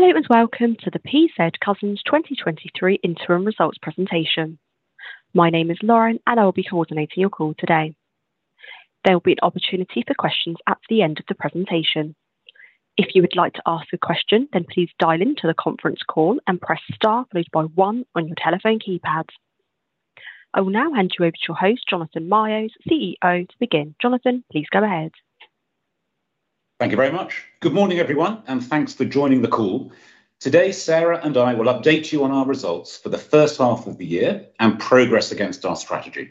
Hello, welcome to the PZ Cussons 2023 interim results presentation. My name is Lauren, I will be coordinating your call today. There will be an opportunity for questions at the end of the presentation. If you would like to ask a question, please dial into the conference call and press star followed by one on your telephone keypad. I will now hand you over to your host, Jonathan Myers, CEO to begin. Jonathan, please go ahead. Thank you very much. Good morning, everyone, and thanks for joining the call. Today, Sarah Pollard and I will update you on our results for the first half of the year and progress against our strategy.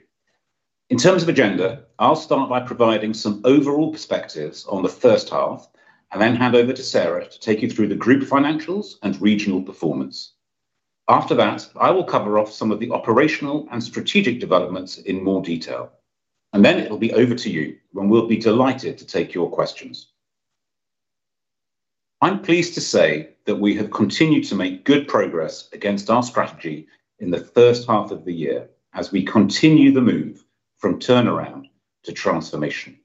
In terms of agenda, I'll start by providing some overall perspectives on the first half, and then hand over to Sarah to take you through the group financials and regional performance. After that, I will cover off some of the operational and strategic developments in more detail, and then it'll be over to you, and we'll be delighted to take your questions. I'm pleased to say that we have continued to make good progress against our strategy in the first half of the year as we continue the move from turnaround to transformation.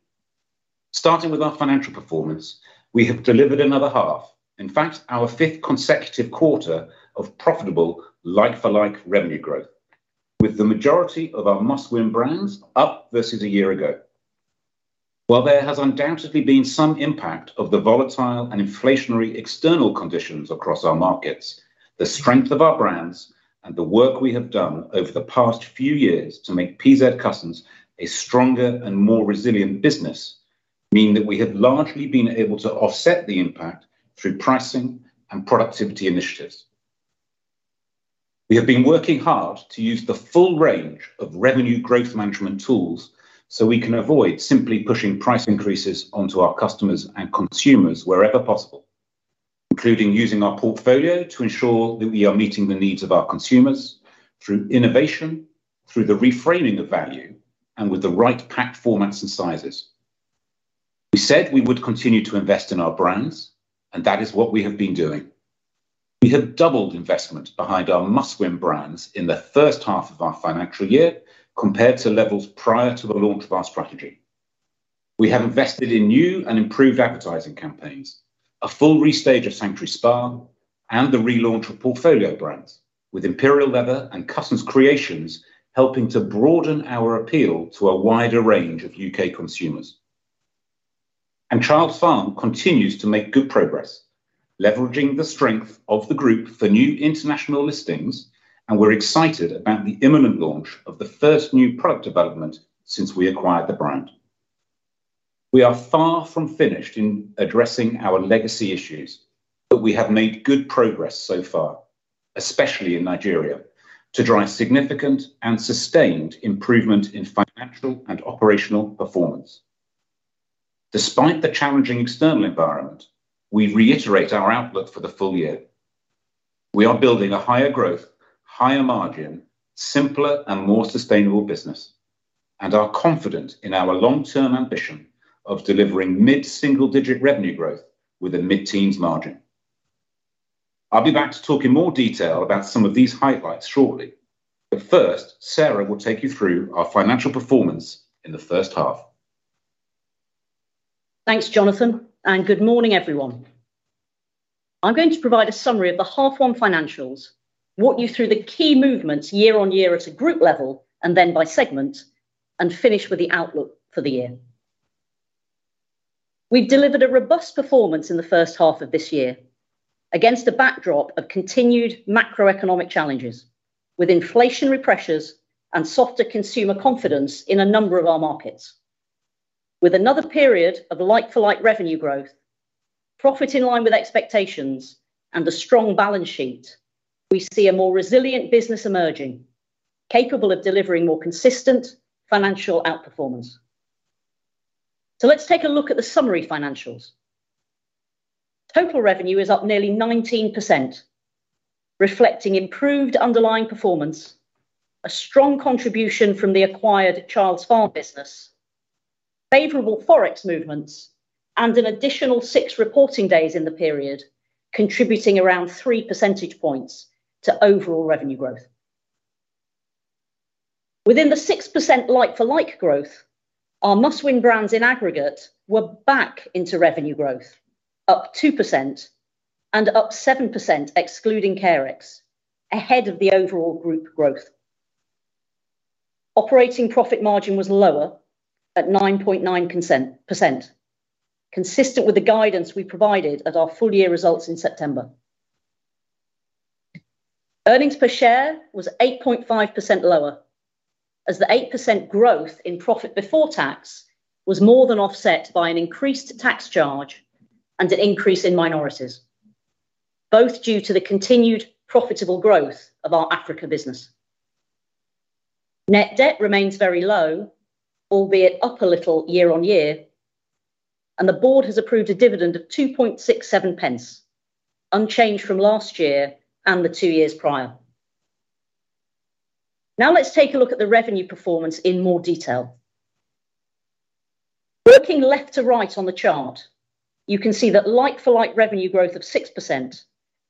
Starting with our financial performance, we have delivered another half. In fact, our fifth consecutive quarter of profitable like for like revenue growth, with the majority of our Must Win Brands up versus a year ago. While there has undoubtedly been some impact of the volatile and inflationary external conditions across our markets, the strength of our brands and the work we have done over the past few years to make PZ Cussons a stronger and more resilient business mean that we have largely been able to offset the impact through pricing and productivity initiatives. We have been working hard to use the full range of revenue growth management tools so we can avoid simply pushing price increases onto our customers and consumers wherever possible, including using our portfolio to ensure that we are meeting the needs of our consumers through innovation, through the reframing of value, and with the right pack formats and sizes. We said we would continue to invest in our brands, and that is what we have been doing. We have doubled investment behind our Must Win Brands in the first half of our financial year compared to levels prior to the launch of our strategy. We have invested in new and improved advertising campaigns, a full restage of Sanctuary Spa and the relaunch of portfolio brands with Imperial Leather and Cussons Creations helping to broaden our appeal to a wider range of U.K. consumers. Childs Farm continues to make good progress, leveraging the strength of the group for new international listings, and we're excited about the imminent launch of the first new product development since we acquired the brand. We are far from finished in addressing our legacy issues, but we have made good progress so far, especially in Nigeria, to drive significant and sustained improvement in financial and operational performance. Despite the challenging external environment, we reiterate our outlook for the full year. We are building a higher growth, higher margin, simpler and more sustainable business, and are confident in our long-term ambition of delivering mid-single digit revenue growth with a mid-teens margin. I'll be back to talk in more detail about some of these highlights shortly, but first, Sarah Pollard will take you through our financial performance in the first half. Thanks, Jonathan Myers, and good morning, everyone. I'm going to provide a summary of the half 1 financials, walk you through the key movements year-on-year at a group level and then by segment, and finish with the outlook for the year. We've delivered a robust performance in the first half of this year against a backdrop of continued macroeconomic challenges with inflationary pressures and softer consumer confidence in a number of our markets. With another period of like for like revenue growth, profit in line with expectations and a strong balance sheet, we see a more resilient business emerging, capable of delivering more consistent financial outperformance. Let's take a look at the summary financials. Total revenue is up nearly 19%, reflecting improved underlying performance, a strong contribution from the acquired Childs Farm business, favorable Forex movements and an additional six reporting days in the period, contributing around 3 percentage points to overall revenue growth. Within the 6% like for like growth, our Must Win Brands in aggregate were back into revenue growth, up 2% and up 7% excluding Carex, ahead of the overall group growth. Operating profit margin was lower at 9.9%, consistent with the guidance we provided at our full year results in September. Earnings per share was 8.5% lower as the 8% growth in profit before tax was more than offset by an increased tax charge and an increase in minorities, both due to the continued profitable growth of our Africa business. Net debt remains very low, albeit up a little year on year, and the board has approved a dividend of 0.0267, unchanged from last year and the two years prior. Let's take a look at the revenue performance in more detail. Working left to right on the chart, you can see that like for like revenue growth of 6%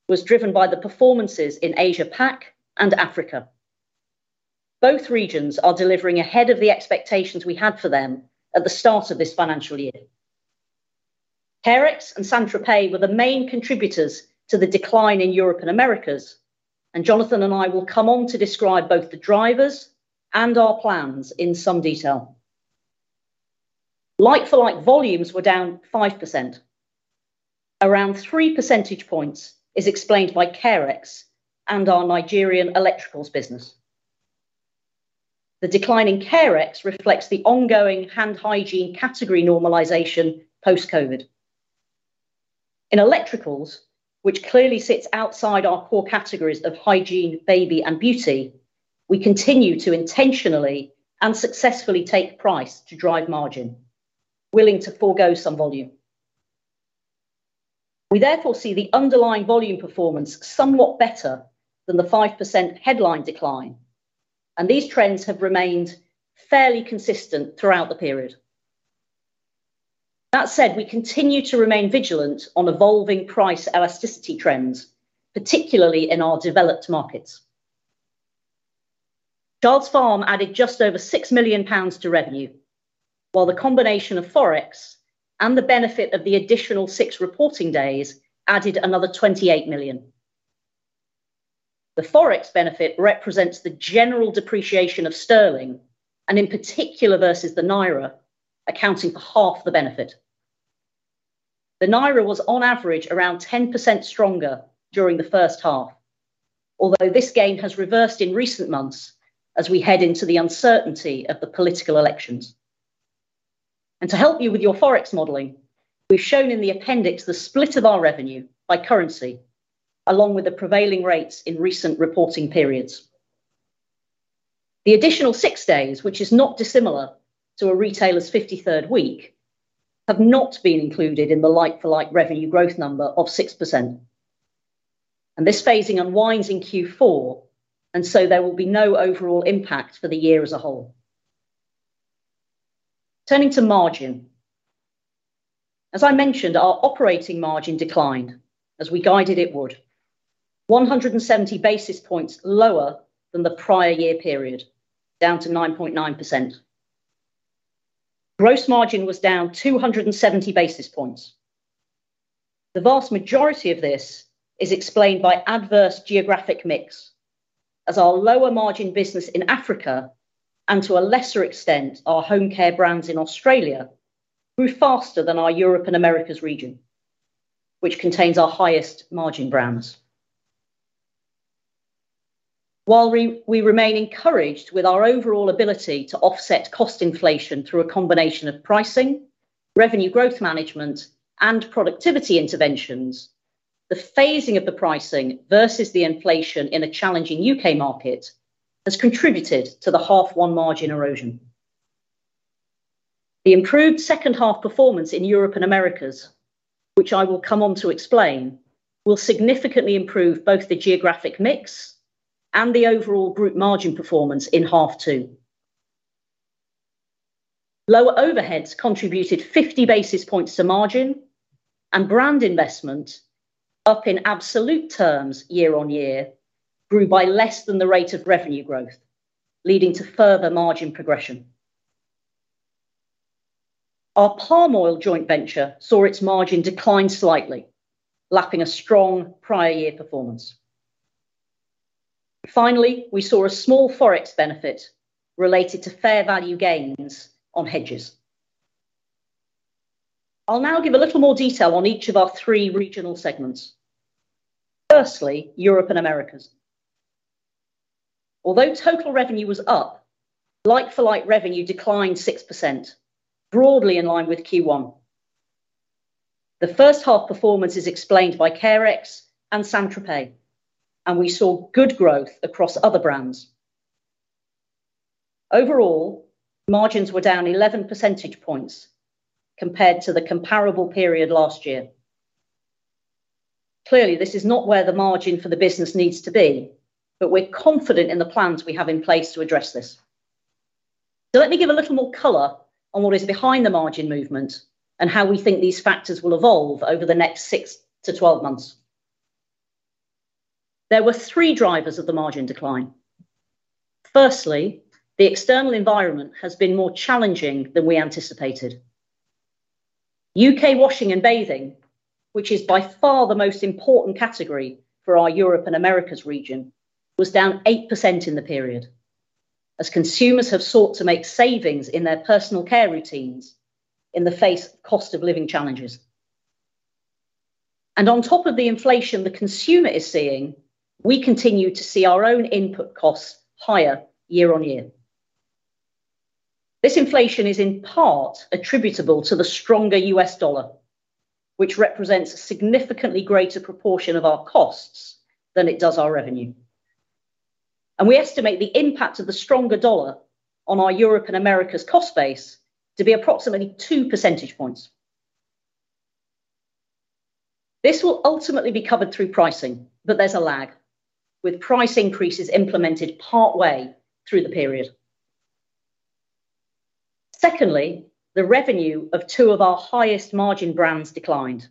was driven by the performances in Asia Pacific and Africa. Both regions are delivering ahead of the expectations we had for them at the start of this financial year. Carex and St.Tropez were the main contributors to the decline in Europe and Americas, and Jonathan and I will come on to describe both the drivers and our plans in some detail. Like-for-like volumes were down 5%. Around 3 percentage points is explained by Carex and our Nigerian electricals business. The decline in Carex reflects the ongoing hand hygiene category normalization post-COVID. In electricals, which clearly sits outside our core categories of hygiene, baby, and beauty, we continue to intentionally and successfully take price to drive margin, willing to forego some volume. We therefore see the underlying volume performance somewhat better than the 5% headline decline, and these trends have remained fairly consistent throughout the period. That said, we continue to remain vigilant on evolving price elasticity trends, particularly in our developed markets. Childs Farm added just over 6 million pounds to revenue, while the combination of Forex and the benefit of the additional six reporting days added another 28 million. The Forex benefit represents the general depreciation of sterling, and in particular versus the Naira, accounting for half the benefit. The Naira was on average around 10% stronger during the first half, although this gain has reversed in recent months as we head into the uncertainty of the political elections. To help you with your Forex modeling, we've shown in the appendix the split of our revenue by currency along with the prevailing rates in recent reporting periods. The additional 6 days, which is not dissimilar to a retailer's 53rd week, have not been included in the like-for-like revenue growth number of 6%. This phasing unwinds in Q4, there will be no overall impact for the year as a whole. Turning to margin. As I mentioned, our operating margin declined as we guided it would, 170 basis points lower than the prior year period, down to 9.9%. Gross margin was down 270 basis points. The vast majority of this is explained by adverse geographic mix as our lower margin business in Africa, and to a lesser extent, our home care brands in Australia, grew faster than our Europe and Americas region, which contains our highest margin brands. While we remain encouraged with our overall ability to offset cost inflation through a combination of pricing, revenue growth management, and productivity interventions, the phasing of the pricing versus the inflation in a challenging U.K. market has contributed to the half one margin erosion. The improved second half performance in Europe and Americas, which I will come on to explain, will significantly improve both the geographic mix and the overall group margin performance in half two. Lower overheads contributed 50 basis points to margin and brand investment up in absolute terms year-on-year grew by less than the rate of revenue growth, leading to further margin progression. Our palm oil joint venture saw its margin decline slightly, lapping a strong prior year performance. Finally, we saw a small Forex benefit related to fair value gains on hedges. I'll now give a little more detail on each of our three regional segments. Firstly, Europe and Americas. Although total revenue was up, like for like revenue declined 6%, broadly in line with Q1. The first half performance is explained by Carex and St.Tropez, and we saw good growth across other brands. Overall, margins were down 11 percentage points compared to the comparable period last year. Clearly, this is not where the margin for the business needs to be, but we're confident in the plans we have in place to address this. Let me give a little more color on what is behind the margin movement and how we think these factors will evolve over the next 6-12 months. There were three drivers of the margin decline. Firstly, the external environment has been more challenging than we anticipated. U.K. washing and bathing, which is by far the most important category for our Europe and Americas region, was down 8% in the period as consumers have sought to make savings in their personal care routines in the face of cost of living challenges. On top of the inflation the consumer is seeing, we continue to see our own input costs higher year-over-year. This inflation is in part attributable to the stronger U.S. dollar, which represents significantly greater proportion of our costs than it does our revenue. We estimate the impact of the stronger dollar on our Europe and Americas cost base to be approximately 2 percentage points. This will ultimately be covered through pricing, but there's a lag, with price increases implemented partway through the period. Secondly, the revenue of two of our highest margin brands declined.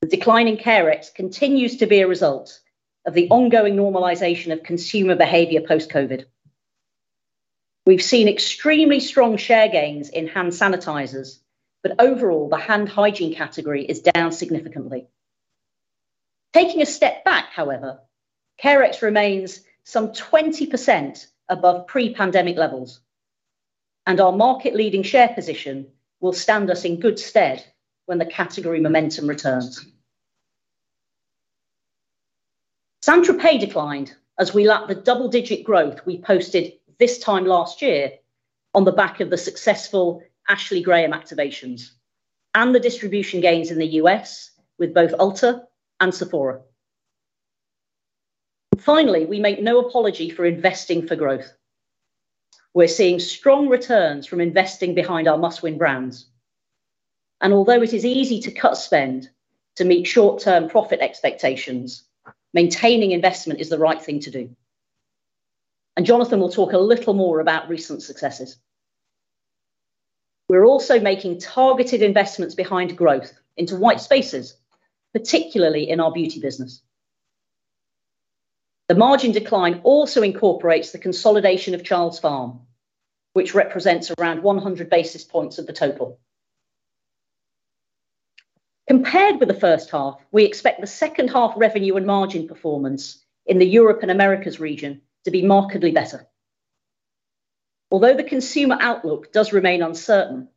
The decline in Carex continues to be a result of the ongoing normalization of consumer behavior post-COVID. We've seen extremely strong share gains in hand sanitizers, but overall, the hand hygiene category is down significantly. Taking a step back, however, Carex remains some 20% above pre-pandemic levels, and our market leading share position will stand us in good stead when the category momentum returns. St.Tropez declined as we lacked the double-digit growth we posted this time last year on the back of the successful Ashley Graham activations and the distribution gains in the U.S. with both Ulta and Sephora. Finally, we make no apology for investing for growth. We're seeing strong returns from investing behind our Must Win Brands. Although it is easy to cut spend to meet short-term profit expectations, maintaining investment is the right thing to do. Jonathan will talk a little more about recent successes. We're also making targeted investments behind growth into white spaces, particularly in our beauty business. The margin decline also incorporates the consolidation of Childs Farm, which represents around 100 basis points of the total. Compared with the first half, we expect the second half revenue and margin performance in the Europe and Americas region to be markedly better. Although the consumer outlook does remain uncertain,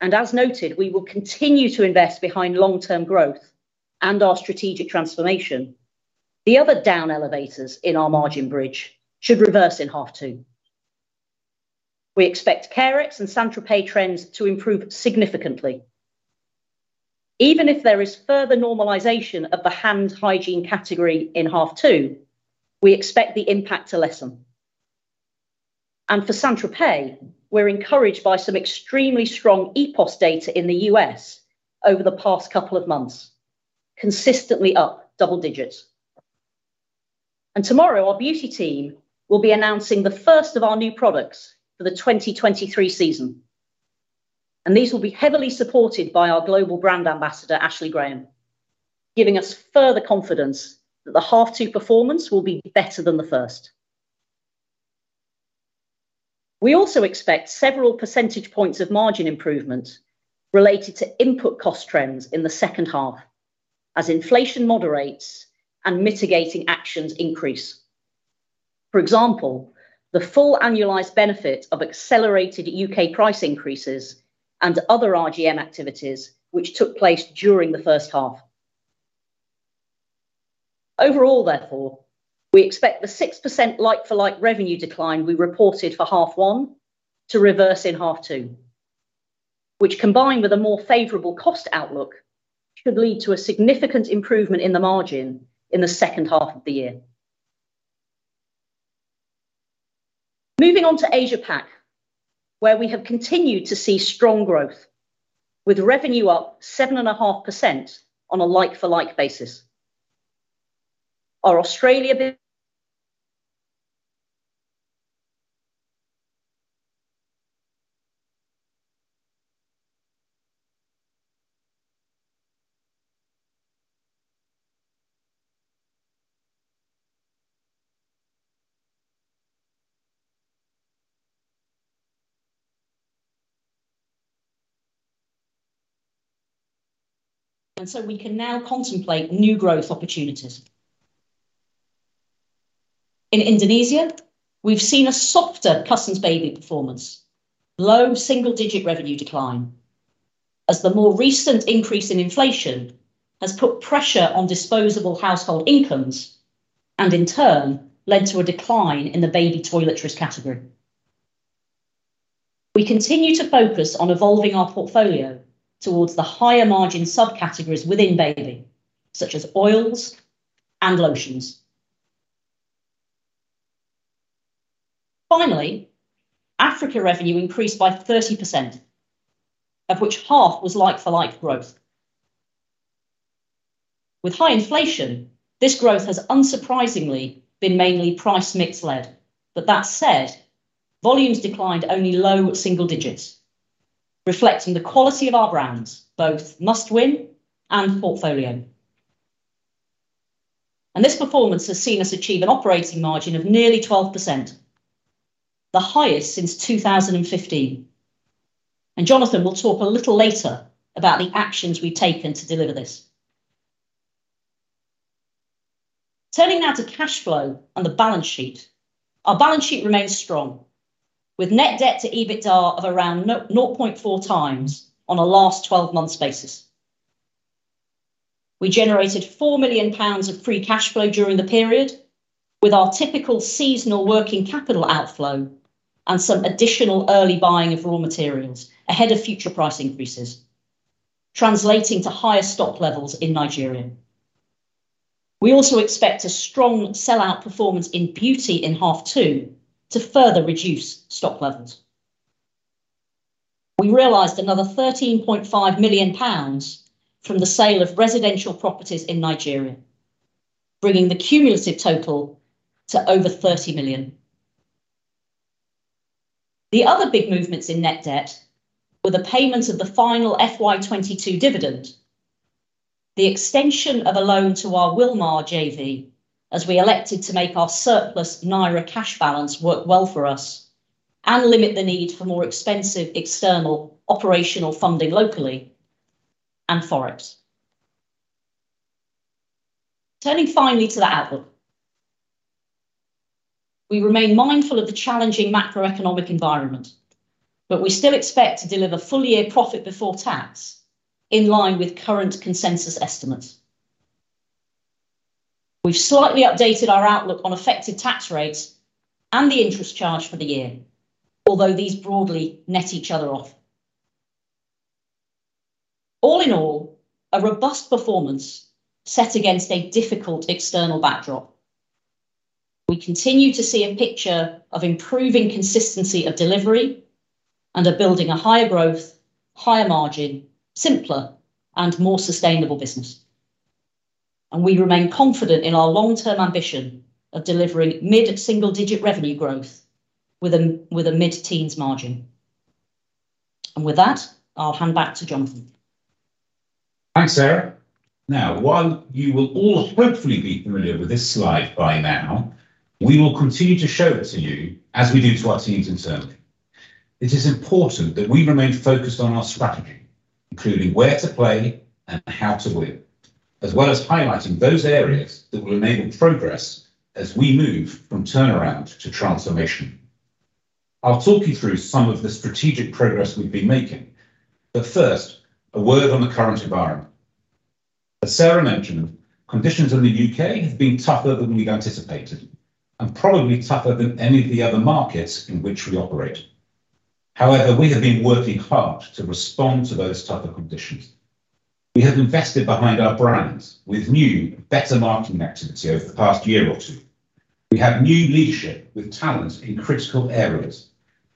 as noted, we will continue to invest behind long-term growth and our strategic transformation, the other down elevators in our margin bridge should reverse in half two. We expect Carex and St.Tropez trends to improve significantly. Even if there is further normalization of the hand hygiene category in half two, we expect the impact to lessen. For St.Tropez, we're encouraged by some extremely strong ePOS data in the U.S. over the past couple of months, consistently up double digits. Tomorrow, our beauty team will be announcing the first of our new products for the 2023 season, these will be heavily supported by our global brand ambassador, Ashley Graham, giving us further confidence that the half two performance will be better than the first. We also expect several percentage points of margin improvement related to input cost trends in the second half as inflation moderates and mitigating actions increase. For example, the full annualized benefit of accelerated U.K. price increases and other RGM activities which took place during the first half. Overall, therefore, we expect the 6% like-for-like revenue decline we reported for half one to reverse in half two. Combined with a more favorable cost outlook, should lead to a significant improvement in the margin in the second half of the year. Moving on to Asia Pacific, where we have continued to see strong growth with revenue up 7.5% on a like-for-like basis. Our Australia. We can now contemplate new growth opportunities. In Indonesia, we've seen a softer Cussons Baby performance, low single-digit revenue decline, as the more recent increase in inflation has put pressure on disposable household incomes and in turn led to a decline in the baby toiletries category. We continue to focus on evolving our portfolio towards the higher margin subcategories within baby, such as oils and lotions. Finally, Africa revenue increased by 30%, of which half was like-for-like growth. With high inflation, this growth has unsurprisingly been mainly price mix led. That said, volumes declined only low single-digits, reflecting the quality of our brands, both Must-Win and portfolio. This performance has seen us achieve an operating margin of nearly 12%, the highest since 2015. Jonathan will talk a little later about the actions we've taken to deliver this. Turning now to cash flow and the balance sheet. Our balance sheet remains strong, with net debt to EBITDA of around 0.4x on a last 12 months basis. We generated 4 million pounds of free cash flow during the period, with our typical seasonal working capital outflow and some additional early buying of raw materials ahead of future price increases, translating to higher stock levels in Nigeria. We also expect a strong sell out performance in beauty in half two to further reduce stock levels. We realized another 13.5 million pounds from the sale of residential properties in Nigeria. Bringing the cumulative total to over 30 million. The other big movements in net debt were the payments of the final FY 2022 dividend, the extension of a loan to our Wilmar JV, as we elected to make our surplus Naira cash balance work well for us and limit the need for more expensive external operational funding locally and Forex. Turning finally to the outlook. We remain mindful of the challenging macroeconomic environment, but we still expect to deliver full year profit before tax in line with current consensus estimates. We've slightly updated our outlook on effective tax rates and the interest charge for the year, although these broadly net each other off. All in all, a robust performance set against a difficult external backdrop. We continue to see a picture of improving consistency of delivery and are building a higher growth, higher margin, simpler and more sustainable business. We remain confident in our long-term ambition of delivering mid-single digit revenue growth with a mid-teens margin. With that, I'll hand back to Jonathan. Thanks, Sarah. While you will all hopefully be familiar with this slide by now, we will continue to show it to you as we do to our teams internally. It is important that we remain focused on our strategy, including where to play and how to win, as well as highlighting those areas that will enable progress as we move from turnaround to transformation. I'll talk you through some of the strategic progress we've been making. First, a word on the current environment. As Sarah mentioned, conditions in the U.K. have been tougher than we'd anticipated and probably tougher than any of the other markets in which we operate. However, we have been working hard to respond to those tougher conditions. We have invested behind our brands with new better marketing activity over the past year or two. We have new leadership with talent in critical areas,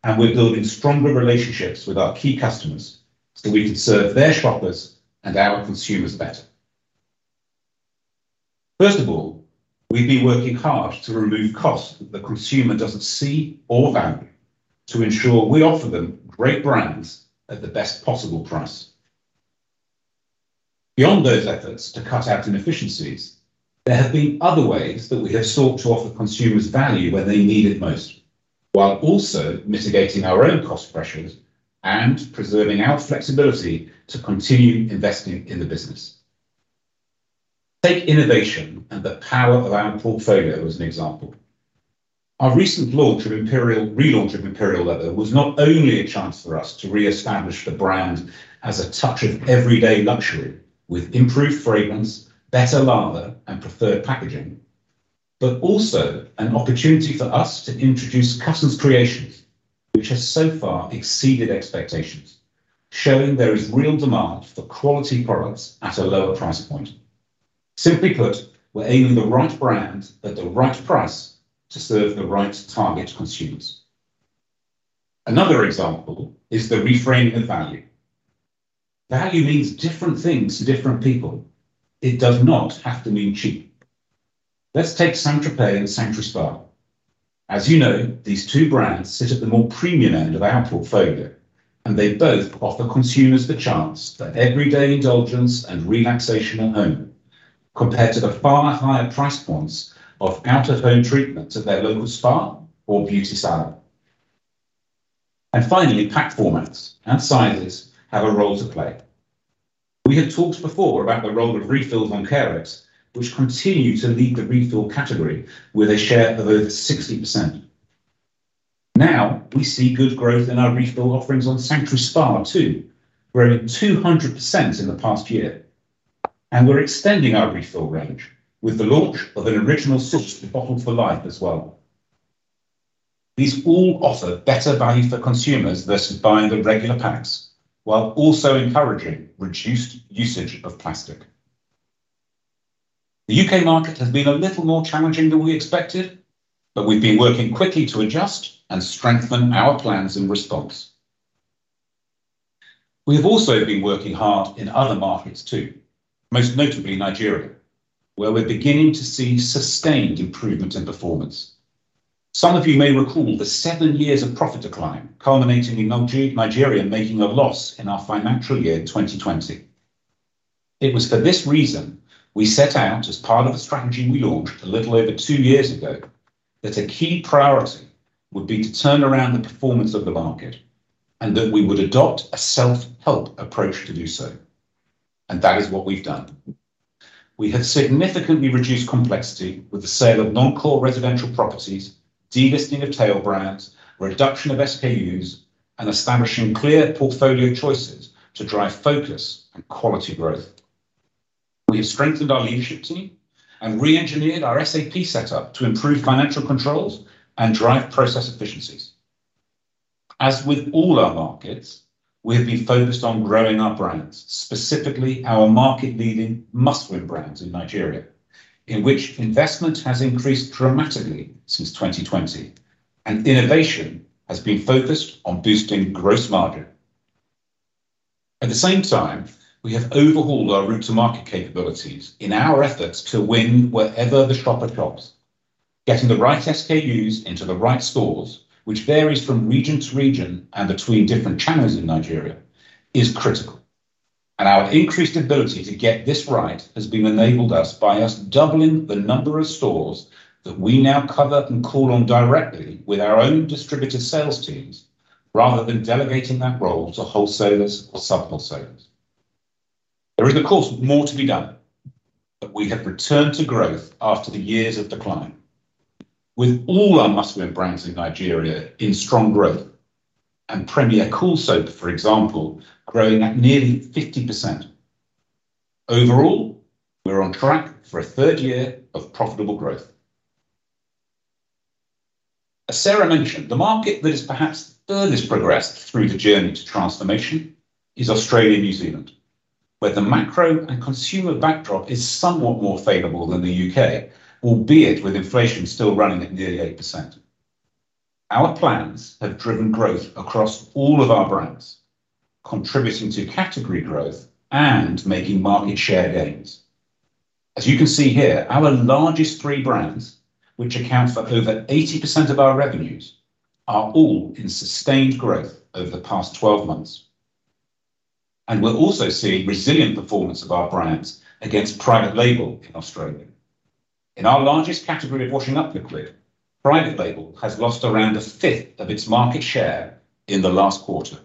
and we're building stronger relationships with our key customers so we can serve their shoppers and our consumers better. First of all, we've been working hard to remove costs that the consumer doesn't see or value to ensure we offer them great brands at the best possible price. Beyond those efforts to cut out inefficiencies, there have been other ways that we have sought to offer consumers value when they need it most, while also mitigating our own cost pressures and preserving our flexibility to continue investing in the business. Take innovation and the power of our portfolio as an example. Our recent relaunch of Imperial Leather was not only a chance for us to reestablish the brand as a touch of everyday luxury with improved fragrance, better lather and preferred packaging, but also an opportunity for us to introduce Cussons Creations, which has so far exceeded expectations, showing there is real demand for quality products at a lower price point. Simply put, we're aiming the right brand at the right price to serve the right target consumers. Another example is the reframing of value. Value means different things to different people. It does not have to mean cheap. Let's take St.Tropez and Sanctuary Spa. As you know, these two brands sit at the more premium end of our portfolio, and they both offer consumers the chance that everyday indulgence and relaxation at home compared to the far higher price points of out-of-home treatments at their local spa or beauty salon. Finally, pack formats and sizes have a role to play. We have talked before about the role of refills on Carex, which continue to lead the refill category with a share of over 60%. Now we see good growth in our refill offerings on Sanctuary Spa too, growing 200% in the past year, and we're extending our refill range with the launch of an Original Source Bottle for Life as well. These all offer better value for consumers versus buying the regular packs, while also encouraging reduced usage of plastic. The U.K. market has been a little more challenging than we expected, we've been working quickly to adjust and strengthen our plans in response. We have also been working hard in other markets too, most notably Nigeria, where we're beginning to see sustained improvement in performance. Some of you may recall the seven years of profit decline, culminating in Nigeria making a loss in our financial year in 2020. It was for this reason we set out as part of the strategy we launched a little over two years ago, that a key priority would be to turn around the performance of the market and that we would adopt a self-help approach to do so, that is what we've done. We have significantly reduced complexity with the sale of non-core residential properties, delisting of tail brands, reduction of SKUs, and establishing clear portfolio choices to drive focus and quality growth. We have strengthened our leadership team and re-engineered our SAP setup to improve financial controls and drive process efficiencies. As with all our markets, we have been focused on growing our brands, specifically our market leading Must Win Brands in Nigeria, in which investment has increased dramatically since 2020, and innovation has been focused on boosting gross margin. At the same time, we have overhauled our route to market capabilities in our efforts to win wherever the shopper shops, getting the right SKUs into the right stores, which varies from region to region and between different channels in Nigeria is critical. Our increased ability to get this right has been enabled us by us doubling the number of stores that we now cover and call on directly with our own distributor sales teams rather than delegating that role to wholesalers or sub-wholesalers. There is of course more to be done, but we have returned to growth after the years of decline. With all our Must Win Brands in Nigeria in strong growth and Premier Cool Soap, for example, growing at nearly 50%. Overall, we're on track for a third year of profitable growth. As Sarah mentioned, the market that has perhaps the furthest progressed through the journey to transformation is Australia and New Zealand, where the macro and consumer backdrop is somewhat more favorable than the U.K., albeit with inflation still running at nearly 8%. Our plans have driven growth across all of our brands, contributing to category growth and making market share gains. As you can see here, our largest three brands, which account for over 80% of our revenues, are all in sustained growth over the past 12 months, and we're also seeing resilient performance of our brands against private label in Australia. In our largest category of washing up liquid, private label has lost around a fifth of its market share in the last quarter.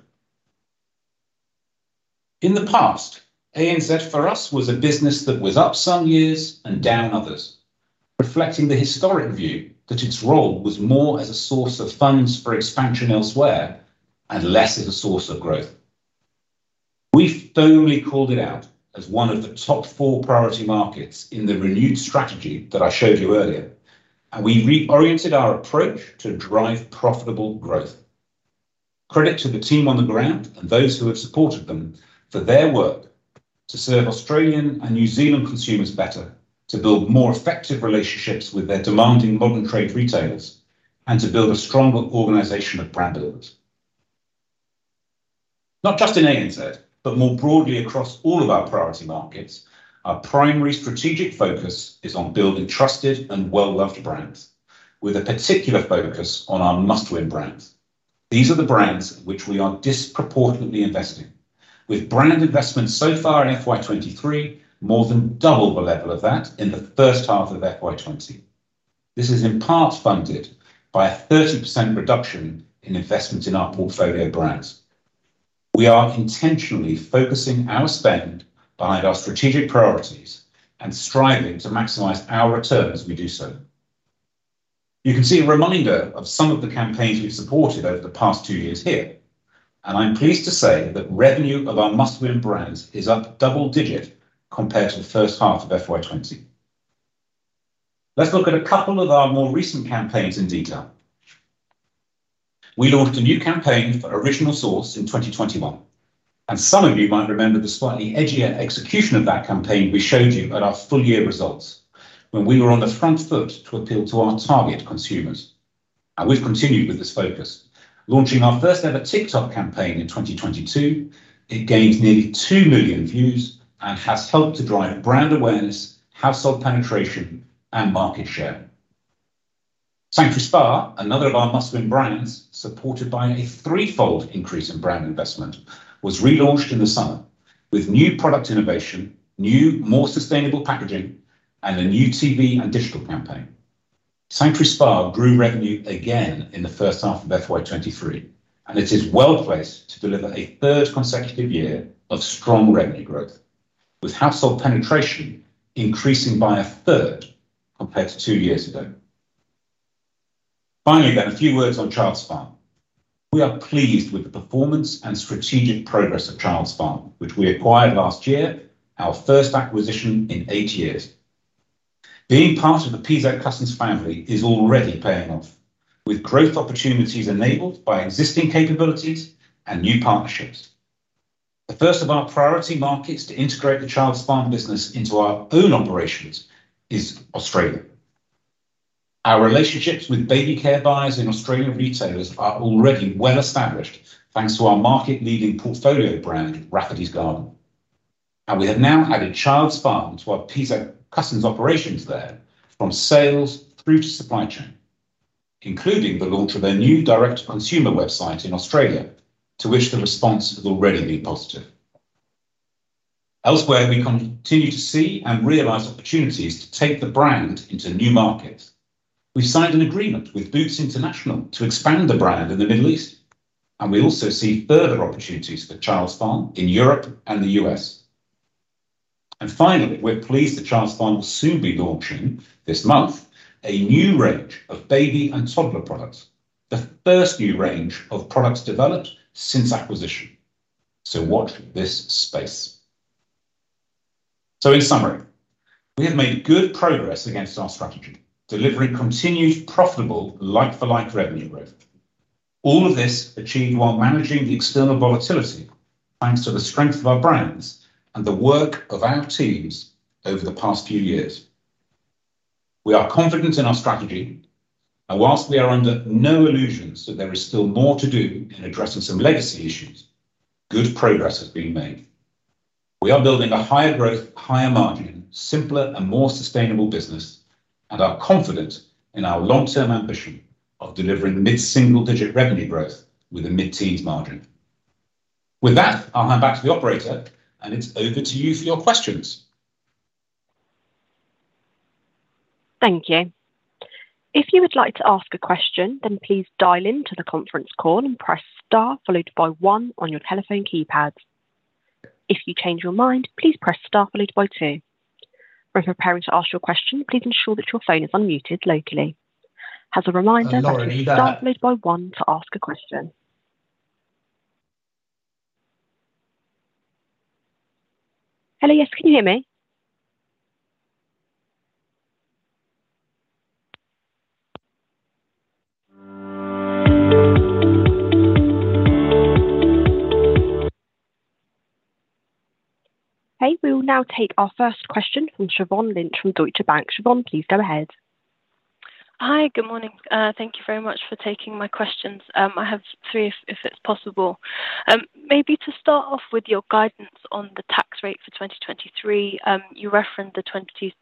In the past, ANZ for us was a business that was up some years and down others, reflecting the historic view that its role was more as a source of funds for expansion elsewhere and less as a source of growth. We firmly called it out as one of the top four priority markets in the renewed strategy that I showed you earlier, and we reoriented our approach to drive profitable growth. Credit to the team on the ground and those who have supported them for their work to serve Australian and New Zealand consumers better, to build more effective relationships with their demanding modern trade retailers, and to build a stronger organization of brand builders. Not just in ANZ, but more broadly across all of our priority markets, our primary strategic focus is on building trusted and well-loved brands with a particular focus on our Must Win Brands. These are the brands which we are disproportionately investing in with brand investment so far in FY 2023 more than double the level of that in the first half of FY 2020. This is in part funded by a 30% reduction in investment in our portfolio brands. We are intentionally focusing our spend behind our strategic priorities and striving to maximize our return as we do so. You can see a reminder of some of the campaigns we've supported over the past two years here, and I'm pleased to say that revenue of our Must Win Brands is up double digit compared to the first half of FY 2020. Let's look at a couple of our more recent campaigns in detail. We launched a new campaign for Original Source in 2021, and some of you might remember the slightly edgier execution of that campaign we showed you at our full year results when we were on the front foot to appeal to our target consumers. We've continued with this focus, launching our first ever TikTok campaign in 2022. It gained nearly 2 million views and has helped to drive brand awareness, household penetration and market share. Sanctuary Spa, another of our Must Win Brands, supported by a threefold increase in brand investment, was relaunched in the summer with new product innovation, new more sustainable packaging and a new TV and digital campaign. Sanctuary Spa grew revenue again in the first half of FY 2023. It is well-placed to deliver a third consecutive year of strong revenue growth, with household penetration increasing by a third compared to two years ago. Finally, a few words on Childs Farm. We are pleased with the performance and strategic progress of Childs Farm, which we acquired last year, our first acquisition in eight years. Being part of the PZ Cussons family is already paying off, with growth opportunities enabled by existing capabilities and new partnerships. The first of our priority markets to integrate the Childs Farm business into our own operations is Australia. Our relationships with baby care buyers and Australian retailers are already well established thanks to our market leading portfolio brand, Rafferty's Garden, and we have now added Childs Farm to our PZ Cussons operations there from sales through to supply chain, including the launch of their new direct to consumer website in Australia, to which the response has already been positive. Elsewhere, we continue to see and realize opportunities to take the brand into new markets. We signed an agreement with Boots International to expand the brand in the Middle East, and we also see further opportunities for Childs Farm in Europe and the U.S. Finally, we're pleased that Childs Farm will soon be launching this month a new range of baby and toddler products, the first new range of products developed since acquisition. Watch this space. In summary, we have made good progress against our strategy, delivering continued profitable like for like revenue growth. All of this achieved while managing the external volatility thanks to the strength of our brands and the work of our teams over the past few years. We are confident in our strategy, and while we are under no illusions that there is still more to do in addressing some legacy issues, good progress has been made. We are building a higher growth, higher margin, simpler and more sustainable business and are confident in our long-term ambition of delivering mid-single-digit revenue growth with a mid-teens margin. With that, I'll hand back to the operator, and it's over to you for your questions. Thank you. If you would like to ask a question, then please dial into the conference call and press Star followed by one on your telephone keypad. If you change your mind, please press Star followed by two. When preparing to ask your question, please ensure that your phone is unmuted locally. As a reminder that is Star followed by One to ask a question. Hello, yes, can you hear me? Okay, we will now take our first question from Siobhan Lynch from Deutsche Bank. Siobhan, please go ahead. Hi. Good morning. Thank you very much for taking my questions. I have three if it's possible. Maybe to start off with your guidance on the tax rate for 2023, you referenced the 26%-20%.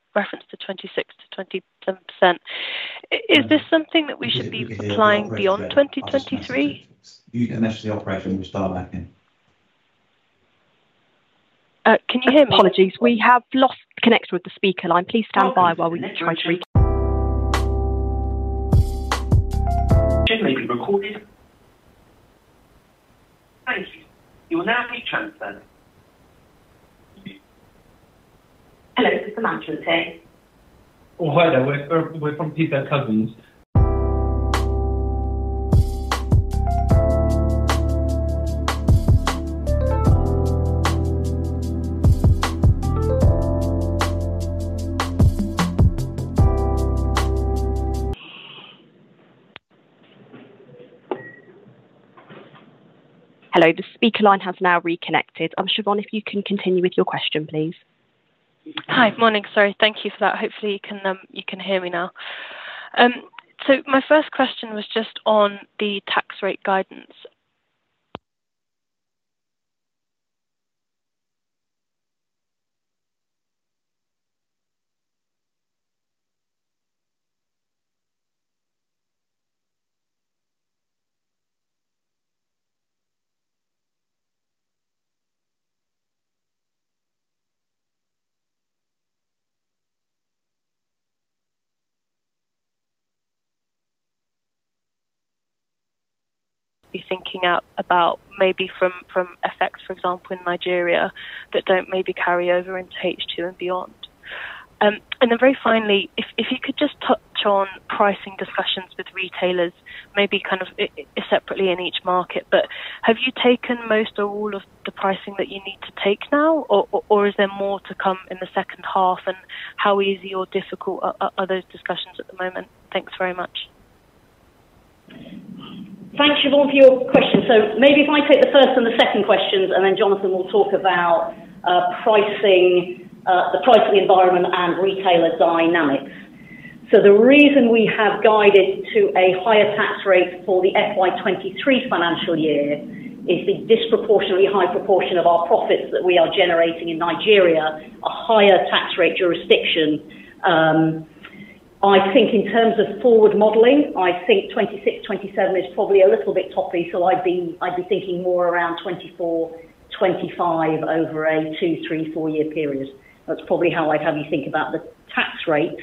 Is this something that we should be applying beyond 2023? You can message the operator and we'll dial back in. Can you hear me? Apologies. We have lost connection with the speaker line. Please stand by while we try to. This call is being recorded. Thank you. You will now be transferred. Hello, this is [Manchu]. Oh, hi there. We're from PZ Cussons. Hello, the speaker line has now reconnected. Siobhan Lynch, if you can continue with your question, please. Hi. Morning, sorry. Thank you for that. Hopefully, you can hear me now. My first question was just on the tax rate guidance. Be thinking out about maybe from FX, for example, in Nigeria that don't maybe carry over into H2 and beyond. Then very finally, if you could just touch on pricing discussions with retailers, maybe kind of separately in each market, but have you taken most or all of the pricing that you need to take now, or is there more to come in the second half? How easy or difficult are those discussions at the moment? Thanks very much. Thanks, Siobhan, for your question. Maybe if I take the first and the second questions, and then Jonathan will talk about pricing, the pricing environment and retailer dynamics. The reason we have guided to a higher tax rate for the FY 2023 financial year is the disproportionately high proportion of our profits that we are generating in Nigeria, a higher tax rate jurisdiction. I think in terms of forward modeling, I think 26%-27% is probably a little bit toppy. So I'd be thinking more around 24%-25% over a two, three, four year period. That's probably how I'd have you think about the tax rate.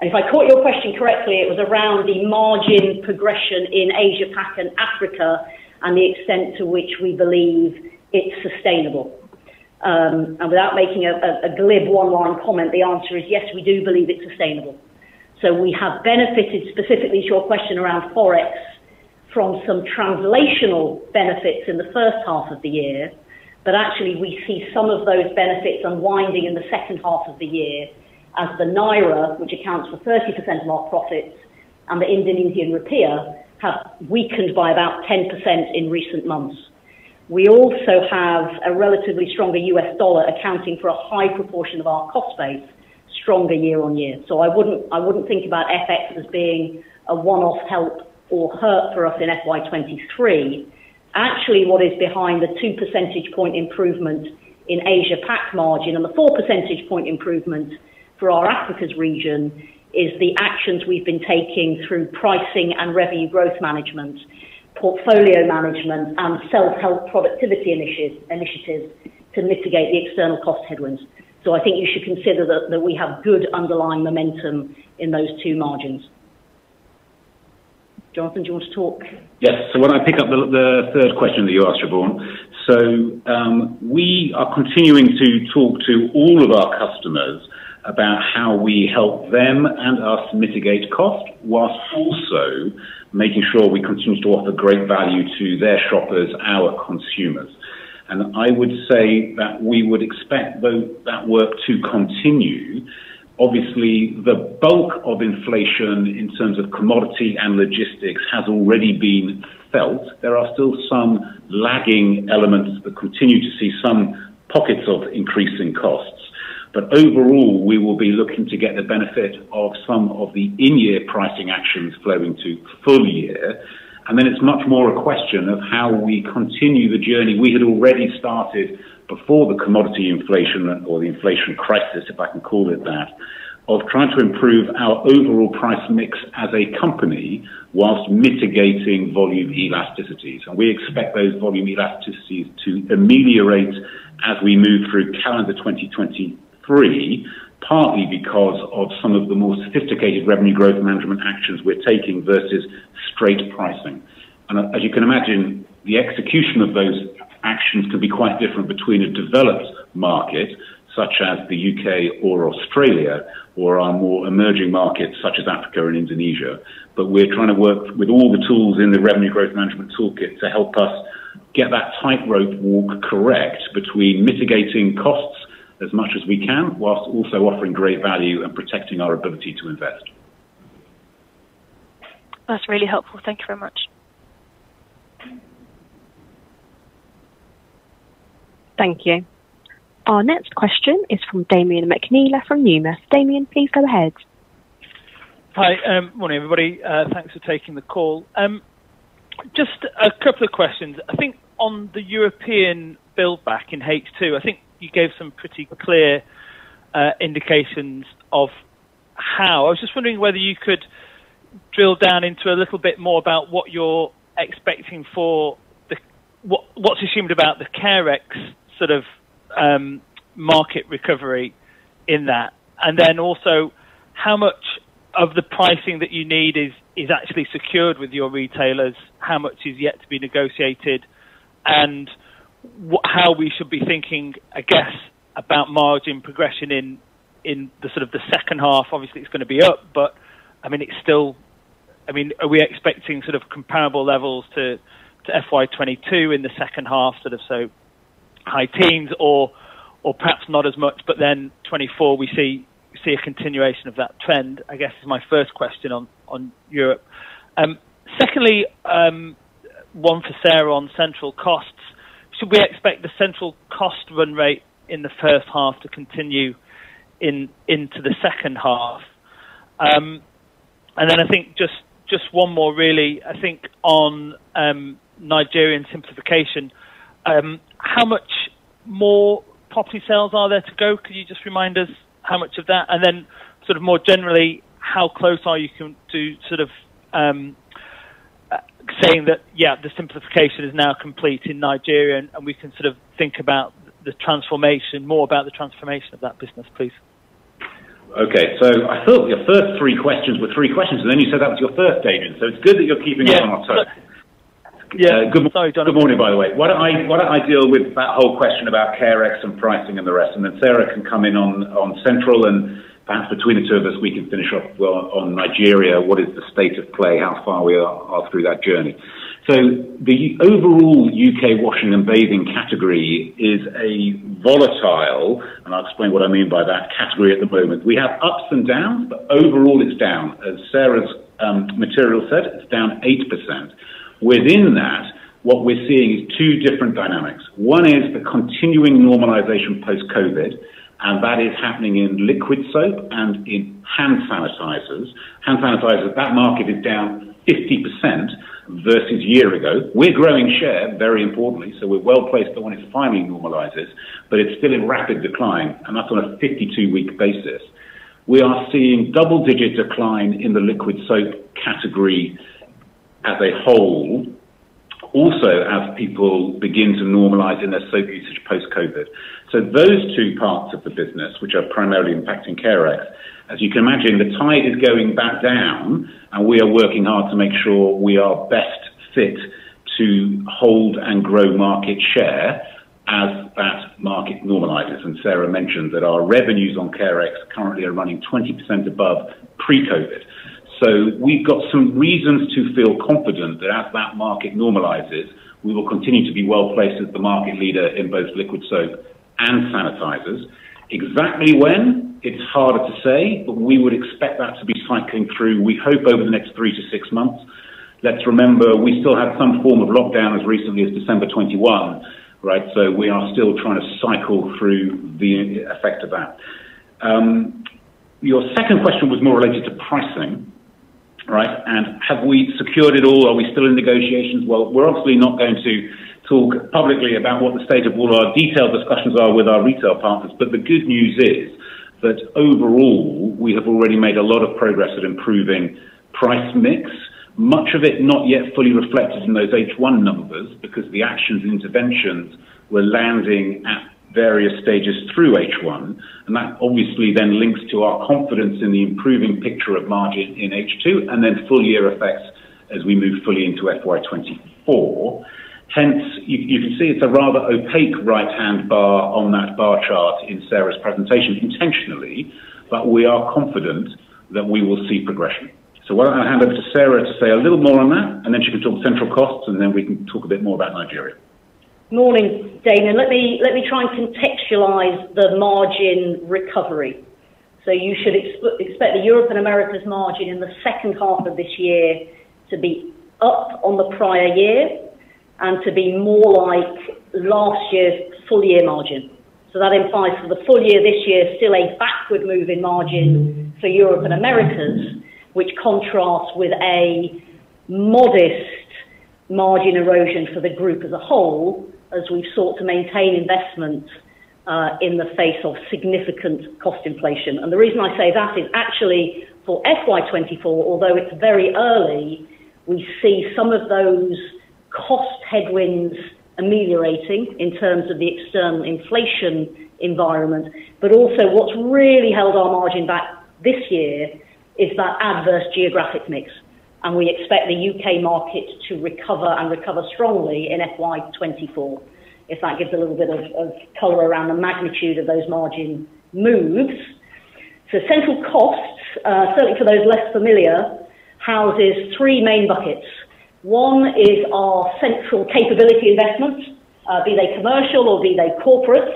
If I caught your question correctly, it was around the margin progression in Asia Pacific and Africa and the extent to which we believe it's sustainable. Without making a glib one-line comment, the answer is yes, we do believe it's sustainable. We have benefited, specifically to your question around FX, from some translational benefits in the first half of the year. We see some of those benefits unwinding in the second half of the year as the Naira, which accounts for 30% of our profits and the Indian Rupee, have weakened by about 10% in recent months. We also have a relatively stronger U.S. dollar accounting for a high proportion of our cost base stronger year-over-year. I wouldn't think about FX as being a one-off help or hurt for us in FY 2023. Actually, what is behind the 2 percentage point improvement in Asia Pacific margin and the 4 percentage point improvement for our Africa's region is the actions we've been taking through pricing and Revenue Growth Management, portfolio management, and self-help productivity initiatives to mitigate the external cost headwinds. I think you should consider that we have good underlying momentum in those two margins. Jonathan, do you want to talk? Yes. Why don't I pick up the third question that you asked, Siobhan. We are continuing to talk to all of our customers about how we help them and us mitigate cost whilst also making sure we continue to offer great value to their shoppers, our consumers. I would say that we would expect that work to continue. Obviously, the bulk of inflation in terms of commodity and logistics has already been felt. There are still some lagging elements, but continue to see some pockets of increasing costs. Overall, we will be looking to get the benefit of some of the in-year pricing actions flowing to full year. It's much more a question of how we continue the journey we had already started before the commodity inflation or the inflation crisis, if I can call it that, of trying to improve our overall price mix as a company whilst mitigating volume elasticities. We expect those volume elasticities to ameliorate as we move through calendar 2023, partly because of some of the more sophisticated revenue growth management actions we're taking versus straight pricing. As you can imagine, the execution of those actions can be quite different between a developed market such as the U.K. or Australia, or our more emerging markets such as Africa and Indonesia. We're trying to work with all the tools in the revenue growth management toolkit to help us get that tightrope walk correct between mitigating costs as much as we can whilst also offering great value and protecting our ability to invest. That's really helpful. Thank you very much. Thank you. Our next question is from Damian McNeela from Numis Securities. Damian, please go ahead. Hi. Morning, everybody. Thanks for taking the call. Just a couple of questions. I think on the European build back in H2, I think you gave some pretty clear indications of how. I was just wondering whether you could drill down into a little bit more about what you're expecting for the... What's assumed about the Carex sort of market recovery in that. Also, how much of the pricing that you need is actually secured with your retailers? How much is yet to be negotiated? How we should be thinking, I guess, about margin progression in the sort of the second half? Obviously, it's gonna be up, but, I mean, it's still... I mean, are we expecting sort of comparable levels to FY 2022 in the second half, sort of high teens or perhaps not as much? FY 2024, we see a continuation of that trend, I guess, is my first question on Europe. Secondly, one for Sarah on central costs. Should we expect the central cost run rate in the first half to continue into the second half? I think just one more really, I think on Nigerian simplification. How much more property sales are there to go? Could you just remind us how much of that? Sort of more generally, how close are you to sort of saying that, yeah, the simplification is now complete in Nigeria, and we can sort of think about the transformation, more about the transformation of that business, please? Okay. I thought your first three questions were three questions, and then you said that was your first, Damian. It's good that you're keeping up on time. Yeah. Good morning, by the way. Why don't I deal with that whole question about Carex and pricing and the rest, and then Sarah can come in on central, and perhaps between the two of us, we can finish off, well, on Nigeria, what is the state of play, how far we are through that journey. The overall U.K. washing and bathing category is a volatile, and I'll explain what I mean by that category at the moment. We have ups and downs, but overall it's down. As Sarah's material said, it's down 8%. Within that, what we're seeing is two different dynamics. One is the continuing normalization post-COVID, and that is happening in liquid soap and in hand sanitizers. Hand sanitizers, that market is down 50% versus year ago. We're growing share, very importantly, so we're well-placed for when it finally normalizes, but it's still in rapid decline, and that's on a 52-week basis. We are seeing double-digit decline in the liquid soap category as a whole, also as people begin to normalize in their soap usage post-COVID. Those two parts of the business, which are primarily impacting Carex, as you can imagine, the tide is going back down, and we are working hard to make sure we are best fit to hold and grow market share as that market normalizes. Sarah mentioned that our revenues on Carex currently are running 20% above pre-COVID. We've got some reasons to feel confident that as that market normalizes, we will continue to be well-placed as the market leader in both liquid soap and sanitizers. Exactly when, it's harder to say, but we would expect that to be cycling through, we hope, over the next three to six months. Let's remember, we still had some form of lockdown as recently as December 2021, right? We are still trying to cycle through the effect of that. Your second question was more related to pricing, right? Have we secured it all? Are we still in negotiations? Well, we're obviously not going to talk publicly about what the state of all our detailed discussions are with our retail partners. The good news is that overall, we have already made a lot of progress at improving price mix. Much of it not yet fully reflected in those H1 numbers because the actions and interventions were landing at various stages through H1. That obviously then links to our confidence in the improving picture of margin in H2 and then full year effects as we move fully into FY 2024. Hence, you can see it's a rather opaque right-hand bar on that bar chart in Sarah's presentation intentionally, but we are confident that we will see progression. Why don't I hand over to Sarah to say a little more on that, and then she can talk central costs, and then we can talk a bit more about Nigeria. Morning, Damian. Let me try and contextualize the margin recovery. You should expect the Europe and Americas margin in the second half of this year to be up on the prior year and to be more like last year's full year margin. That implies for the full year this year, still a backward move in margin for Europe and Americas, which contrasts with a modest margin erosion for the group as a whole, as we've sought to maintain investment in the face of significant cost inflation. The reason I say that is actually for FY 2024, although it's very early, we see some of those cost headwinds ameliorating in terms of the external inflation environment. Also what's really held our margin back this year is that adverse geographic mix. We expect the U.K. market to recover and recover strongly in FY 2024. If that gives a little bit of color around the magnitude of those margin moves. Central costs, certainly for those less familiar, houses three main buckets. One is our central capability investments, be they commercial or be they corporate,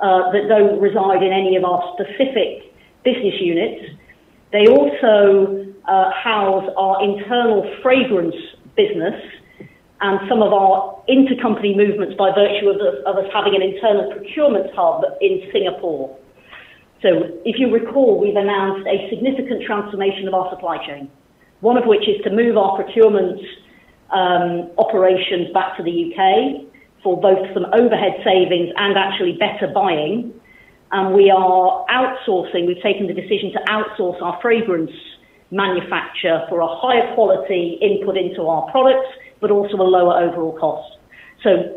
that don't reside in any of our specific business units. They also house our internal fragrance business and some of our intercompany movements by virtue of us having an internal procurement hub in Singapore. If you recall, we've announced a significant transformation of our supply chain. One of which is to move our procurement operations back to the U.K. for both some overhead savings and actually better buying. We are outsourcing, we've taken the decision to outsource our fragrance manufacture for a higher quality input into our products, but also a lower overall cost.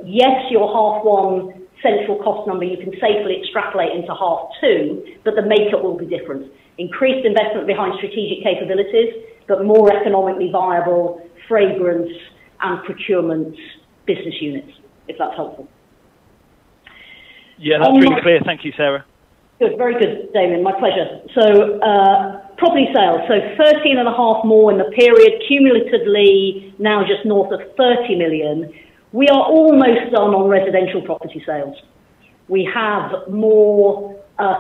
Yes, your half one central cost number, you can safely extrapolate into half two, but the makeup will be different. Increased investment behind strategic capabilities, but more economically viable fragrance and procurement business units, if that's helpful. Yeah, that's really clear. Thank you, Sarah. Good. Very good, Damian. My pleasure. Property sales. 13 and a half more in the period, cumulatively now just north of 30 million. We are almost done on residential property sales. We have more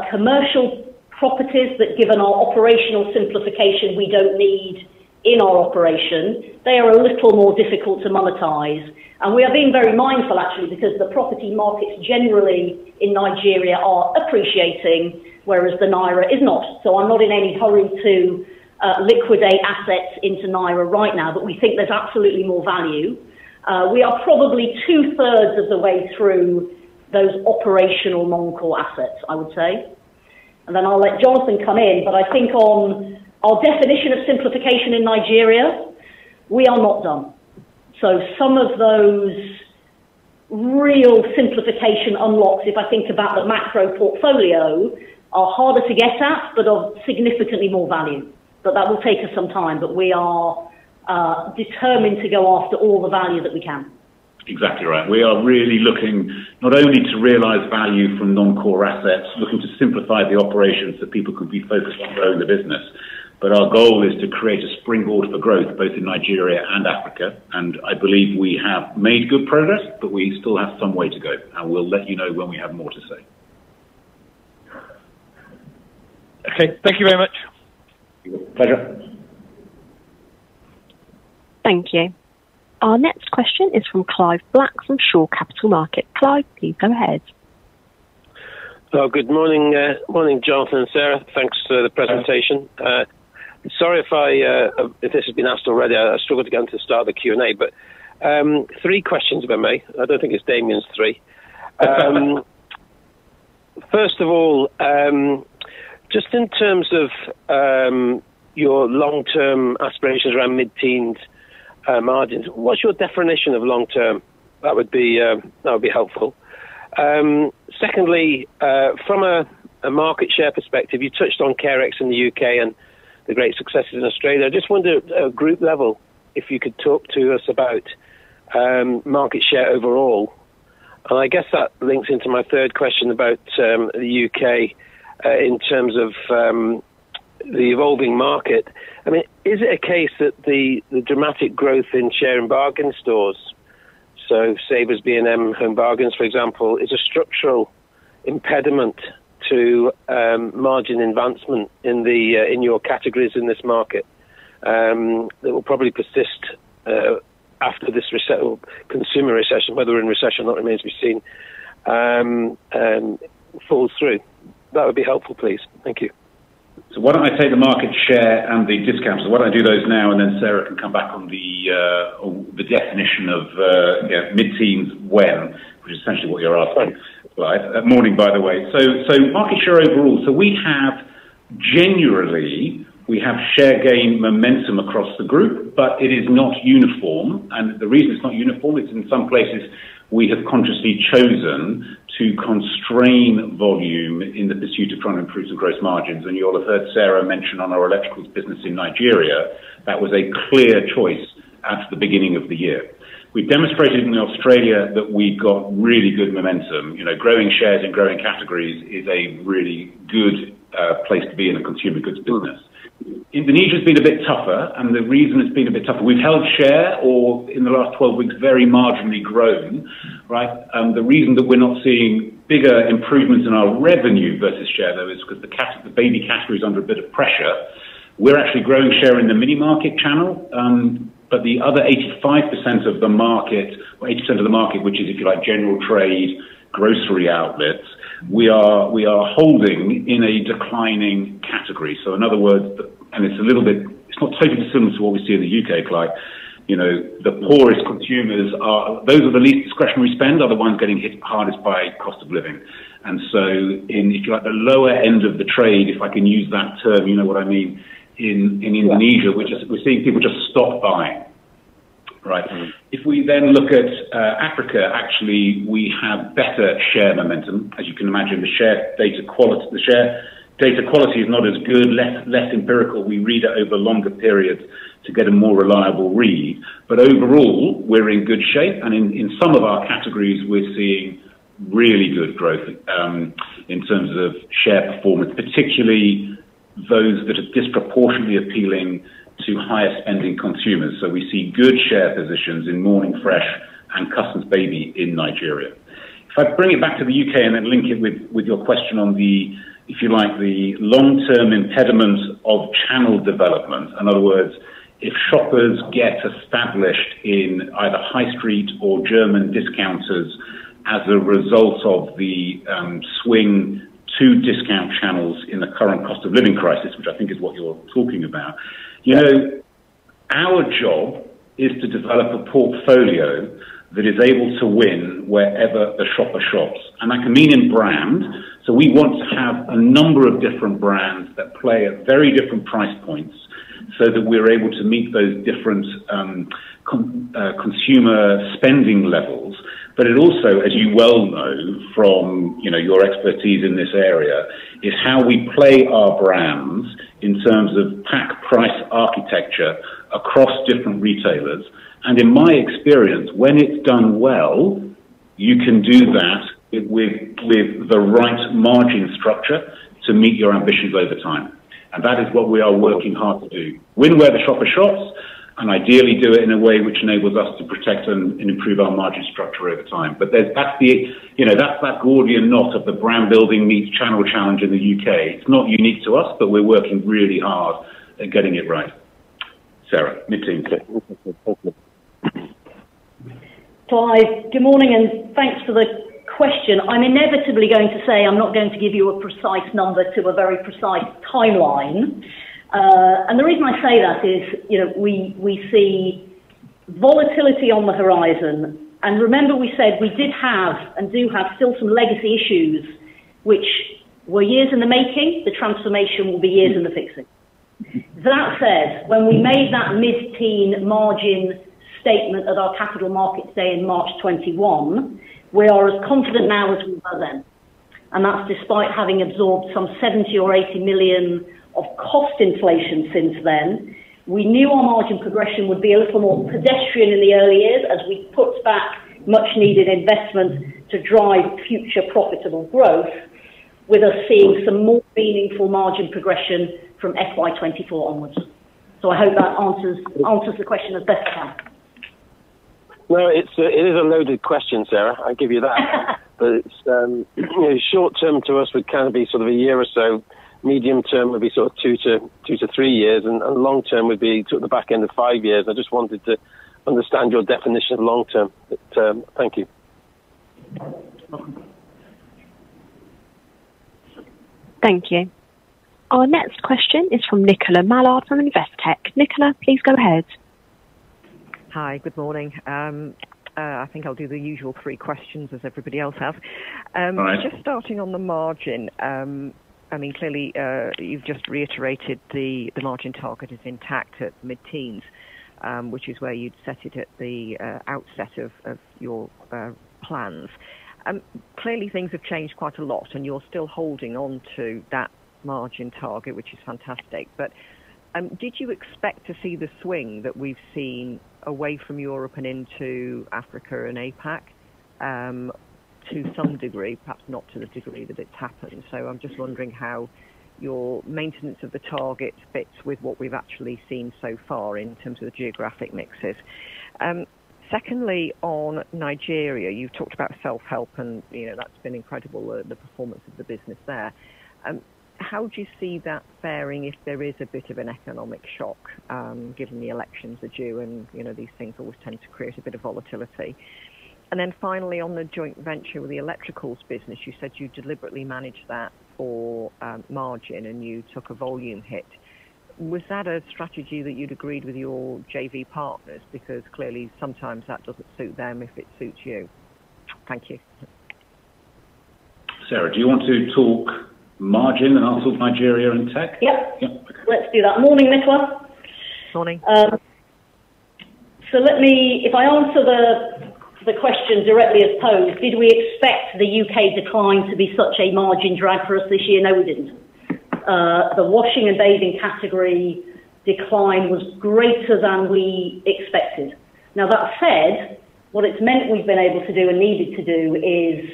commercial properties that given our operational simplification we don't need in our operation. They are a little more difficult to monetize. We are being very mindful actually because the property markets generally in Nigeria are appreciating, whereas the Naira is not. I'm not in any hurry to liquidate assets into Naira right now, but we think there's absolutely more value. We are probably two-thirds of the way through those operational non-core assets, I would say. I'll let Jonathan come in. I think on our definition of simplification in Nigeria, we are not done. Some of those real simplification unlocks, if I think about the macro portfolio, are harder to get at, but of significantly more value. That will take us some time. We are determined to go after all the value that we can. Exactly right. We are really looking not only to realize value from non-core assets, looking to simplify the operations so people can be focused on growing the business. Our goal is to create a springboard for growth both in Nigeria and Africa. I believe we have made good progress, but we still have some way to go, and we'll let you know when we have more to say. Okay. Thank you very much. Pleasure. Thank you. Our next question is from Clive Black from Shore Capital Markets. Clive, please go ahead. Well, good morning. Morning, Jonathan and Sarah. Thanks for the presentation. Sorry if I, if this has been asked already. I struggled to get onto the start of the Q&A. Three questions if I may. I don't think it's Damian's three. First of all, just in terms of your long-term aspirations around mid-teens margins, what's your definition of long term? That would be, that would be helpful. Secondly, from a market share perspective, you touched on Carex in the U.K. and the great successes in Australia. I just wonder at group level if you could talk to us about market share overall. I guess that links into my third question about the U.K. In terms of the evolving market. I mean, is it a case that the dramatic growth in share and bargain stores, so Savers, B&M, Home Bargains, for example, is a structural impediment to margin advancement in the in your categories in this market that will probably persist after this or consumer recession, whether we're in recession or not remains to be seen, falls through? That would be helpful, please. Thank you. Why don't I take the market share and the discounts? Why don't I do those now and then Sarah can come back on the on the definition of, yeah, mid-teens when, which is essentially what you're asking, Clive. Morning, by the way. Market share overall. We have genuinely, we have share gain momentum across the group, but it is not uniform. The reason it's not uniform is in some places we have consciously chosen to constrain volume in the pursuit of trying to improve some gross margins. You'll have heard Sarah mention on our electricals business in Nigeria, that was a clear choice at the beginning of the year. We demonstrated in Australia that we got really good momentum. You know, growing shares and growing categories is a really good place to be in a consumer goods business. Indonesia has been a bit tougher, the reason it's been a bit tougher, we've held share or in the last 12 weeks, very marginally grown, right. The reason that we're not seeing bigger improvements in our revenue versus share, though, is 'cause the baby category is under a bit of pressure. We're actually growing share in the mini market channel, but the other 85% of the market, or 80% of the market, which is if you like, general trade, grocery outlets, we are holding in a declining category. In other words, it's a little bit, it's not totally similar to what we see in the U.K., Clive. You know, the poorest consumers are, those with the least discretionary spend are the ones getting hit hardest by cost of living. In, if you like, the lower end of the trade, if I can use that term, you know what I mean. In Indonesia, we're seeing people just stop buying. Right. We then look at Africa, actually we have better share momentum. As you can imagine, the share data quality is not as good, less empirical. We read it over longer periods to get a more reliable read. Overall, we're in good shape. In some of our categories, we're seeing really good growth in terms of share performance, particularly those that are disproportionately appealing to highest spending consumers. We see good share positions in Morning Fresh and Cussons Baby in Nigeria. I bring it back to the U.K. and then link it with your question on the, if you like, the long-term impediment of channel development. In other words, if shoppers get established in either high street or German discounters as a result of the swing to discount channels in the current cost of living crisis, which I think is what you're talking about. Yes. You know, our job is to develop a portfolio that is able to win wherever the shopper shops, and that can mean in brand. We want to have a number of different brands that play at very different price points so that we're able to meet those different consumer spending levels. It also, as you well know from, you know, your expertise in this area, is how we play our brands in terms of pack price architecture across different retailers. In my experience, when it's done well, you can do that with the right margin structure to meet your ambitions over time. That is what we are working hard to do. Win where the shopper shops and ideally do it in a way which enables us to protect and improve our margin structure over time. There's, that's the, you know, that's that Gordian knot of the brand building meets channel challenge in the U.K. We're working really hard at getting it right. Sarah, mid-teen. Okay. Thank you. Clive, good morning, thanks for the question. I'm inevitably going to say I'm not going to give you a precise number to a very precise timeline. The reason I say that is, you know, we see volatility on the horizon. Remember we said we did have and do have still some legacy issues which were years in the making. The transformation will be years in the fixing. That said, when we made that mid-teen margin statement at our Capital Markets Day in March 2021, we are as confident now as we were then. That's despite having absorbed some 70 million or 80 million of cost inflation since then. We knew our margin progression would be a little more pedestrian in the early years as we put back much needed investment to drive future profitable growth, with us seeing some more meaningful margin progression from FY 2024 onwards. I hope that answers the question as best I can. Well, it is a loaded question, Sarah, I'll give you that. It's, you know, short term to us would kind of be sort of a year or so. Medium term would be sort of two to three years, and long term would be sort of the back end of five years. I just wanted to understand your definition of long term. Thank you. Thank you. Our next question is from Nicola Mallard from Investec. Nicola, please go ahead. Hi. Good morning. I think I'll do the usual three questions as everybody else has. All right. Just starting on the margin. I mean, clearly, you've just reiterated the margin target is intact at mid-teens, which is where you'd set it at the outset of your plans. Clearly things have changed quite a lot, and you're still holding on to that margin target, which is fantastic. Did you expect to see the swing that we've seen away from Europe and into Africa and APAC? To some degree, perhaps not to the degree that it's happened. I'm just wondering how your maintenance of the target fits with what we've actually seen so far in terms of the geographic mixes. Secondly, on Nigeria, you've talked about self-help and, you know, that's been incredible the performance of the business there. How do you see that faring if there is a bit of an economic shock, given the elections are due and, you know, these things always tend to create a bit of volatility? Finally, on the joint venture with the electricals business, you said you deliberately managed that for margin and you took a volume hit. Was that a strategy that you'd agreed with your JV partners? Clearly sometimes that doesn't suit them if it suits you. Thank you. Sarah, do you want to talk margin and answer Nigeria and tech? Yep. Let's do that. Morning, Nicola. Morning. If I answer the question directly as posed, did we expect the U.K. decline to be such a margin drag for us this year? No, we didn't. The washing and bathing category decline was greater than we expected. That said, what it's meant we've been able to do and needed to do is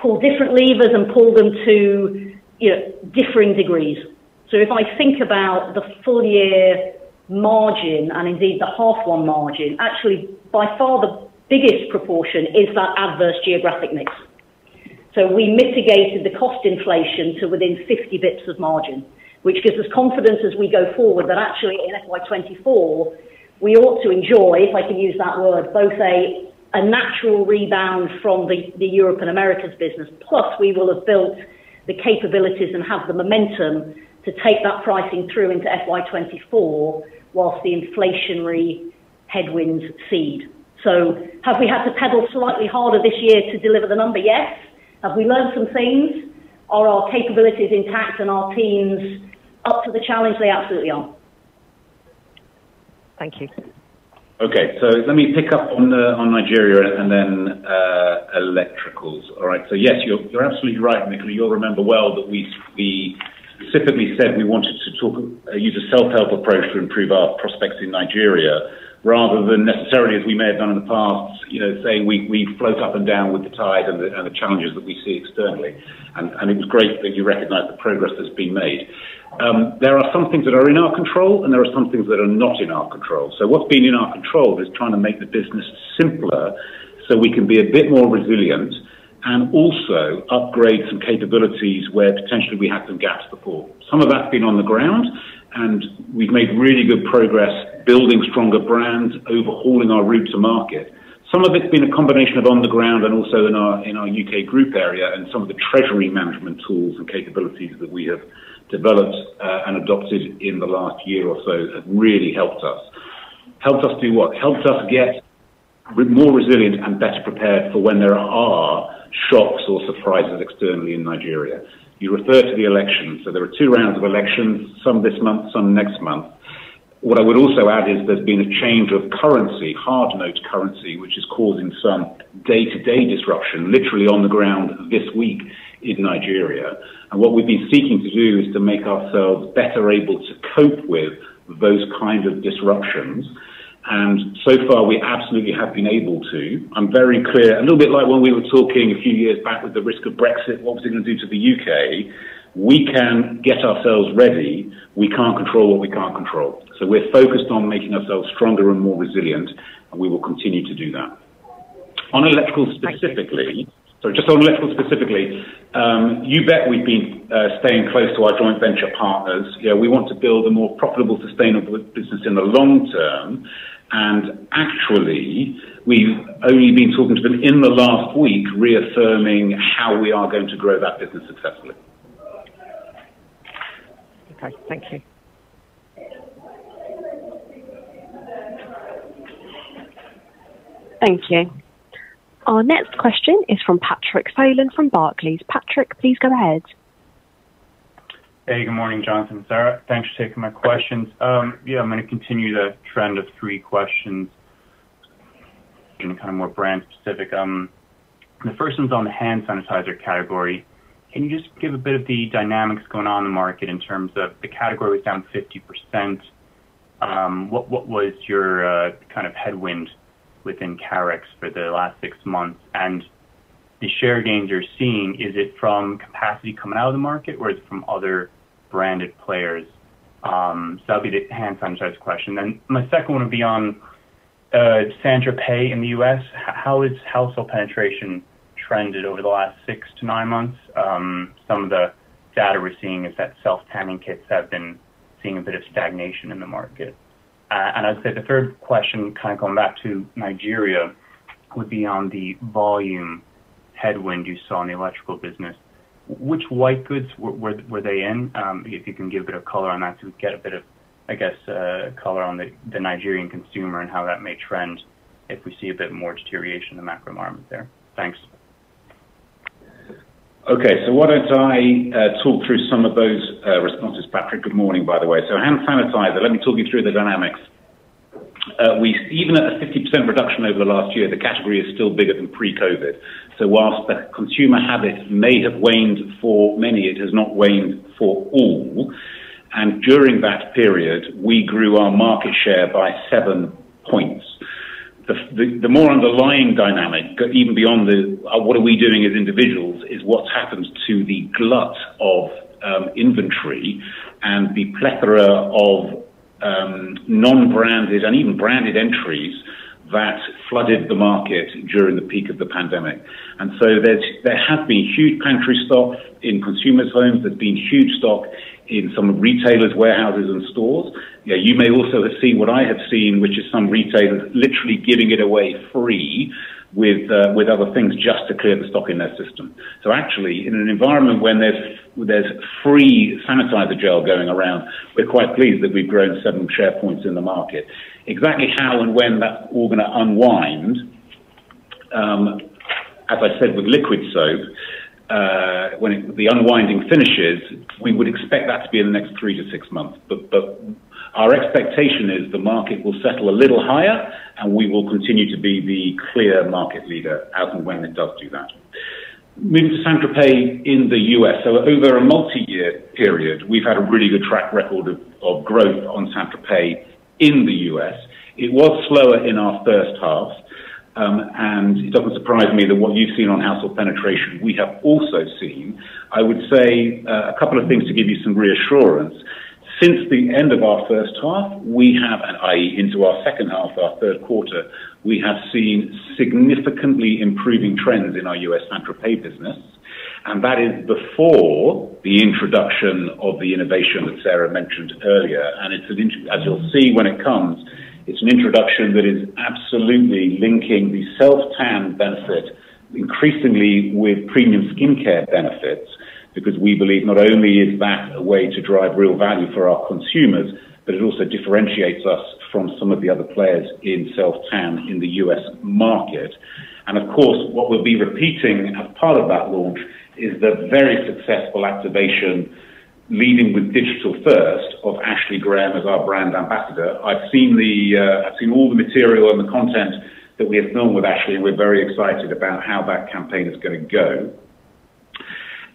pull different levers and pull them to, you know, differing degrees. If I think about the full year margin, and indeed the half one margin, actually by far the biggest proportion is that adverse geographic mix. We mitigated the cost inflation to within 50 bits of margin, which gives us confidence as we go forward that actually in FY 2024 we ought to enjoy, if I can use that word, both a natural rebound from the Europe and Americas business, plus we will have built the capabilities and have the momentum to take that pricing through into FY 2024 whilst the inflationary headwinds cede. Have we had to pedal slightly harder this year to deliver the number? Yes. Have we learned some things? Are our capabilities intact and our teams up to the challenge? They absolutely are. Thank you. Okay. Let me pick up on Nigeria and then Electricals. All right. Yes, you're absolutely right, Nicola. You'll remember well that we specifically said we wanted to use a self-help approach to improve our prospects in Nigeria rather than necessarily as we may have done in the past, you know, say we float up and down with the tide and the challenges that we see externally. It was great that you recognize the progress that's been made. There are some things that are in our control and there are some things that are not in our control. What's been in our control is trying to make the business simpler so we can be a bit more resilient and also upgrade some capabilities where potentially we had some gaps before. Some of that's been on the ground. We've made really good progress building stronger brands, overhauling our route to market. Some of it's been a combination of on the ground and also in our U.K. group area and some of the treasury management tools and capabilities that we have developed and adopted in the last year or so have really helped us. Helped us do what? Helped us get more resilient and better prepared for when there are shocks or surprises externally in Nigeria. You refer to the election. There are two rounds of elections, some this month, some next month. I would also add is there's been a change of currency, hard note currency, which is causing some day-to-day disruption literally on the ground this week in Nigeria. What we've been seeking to do is to make ourselves better able to cope with those kind of disruptions. So far we absolutely have been able to. I'm very clear, a little bit like when we were talking a few years back with the risk of Brexit, what was it going to do to the U.K.? We can get ourselves ready. We can't control what we can't control. We're focused on making ourselves stronger and more resilient, and we will continue to do that. Sorry, just on Electrical specifically, you bet we've been staying close to our joint venture partners. You know, we want to build a more profitable, sustainable business in the long term, and actually we've only been talking to them in the last week reaffirming how we are going to grow that business successfully. Okay. Thank you. Thank you. Our next question is from Patrick Folan from Barclays. Patrick, please go ahead. Hey, good morning, Jonathan and Sarah. Thanks for taking my questions. Yeah, I'm gonna continue the trend of three questions and kind of more brand specific. The first one's on the hand sanitizer category. Can you just give a bit of the dynamics going on in the market in terms of the category was down 50%? What was your kind of headwind within Carex for the last six months? The share gains you're seeing, is it from capacity coming out of the market or is it from other branded players? That'll be the hand sanitizer question. My second one would be on St.Tropez in the U.S. How is household penetration trended over the last six to nine months? Some of the data we're seeing is that self-tanning kits have been seeing a bit of stagnation in the market. I'd say the third question, kind of going back to Nigeria, would be on the volume headwind you saw in the Electrical business. Which white goods were they in? If you can give a bit of color on that to get a bit of, I guess a color on the Nigerian consumer and how that may trend if we see a bit more deterioration in the macro environment there. Thanks. Okay. Why don't I talk through some of those responses. Patrick, good morning, by the way. Hand sanitizer, let me talk you through the dynamics. Even at a 50% reduction over the last year, the category is still bigger than pre-COVID. Whilst the consumer habit may have waned for many, it has not waned for all. During that period we grew our market share by 7 points. The more underlying dynamic, even beyond the what are we doing as individuals, is what's happened to the glut of inventory and the plethora of non-branded and even branded entries that flooded the market during the peak of the pandemic. There have been huge pantry stock in consumers' homes. There've been huge stock in some retailers' warehouses and stores. You know, you may also have seen what I have seen, which is some retailers literally giving it away free with other things just to clear the stock in their system. Actually, in an environment when there's free sanitizer gel going around, we're quite pleased that we've grown 7 share points in the market. Exactly how and when that all gonna unwind, as I said with liquid soap, when the unwinding finishes, we would expect that to be in the next three to six months. Our expectation is the market will settle a little higher and we will continue to be the clear market leader as and when it does do that. Moving to St.Tropez in the U.S. Over a multi-year period, we've had a really good track record of growth on St.Tropez in the U.S. It was slower in our first half. It doesn't surprise me that what you've seen on household penetration, we have also seen. I would say, a couple of things to give you some reassurance. Since the end of our first half, we have, and i.e., into our second half, our third quarter, we have seen significantly improving trends in our U.S. St.Tropez business. That is before the introduction of the innovation that Sarah mentioned earlier. As you'll see when it comes, it's an introduction that is absolutely linking the self-tan benefit increasingly with premium skincare benefits, because we believe not only is that a way to drive real value for our consumers, but it also differentiates us from some of the other players in self-tan in the U.S. market. Of course, what we'll be repeating as part of that launch is the very successful activation, leading with digital first of Ashley Graham as our brand ambassador. I've seen the, I've seen all the material and the content that we have filmed with Ashley, and we're very excited about how that campaign is gonna go.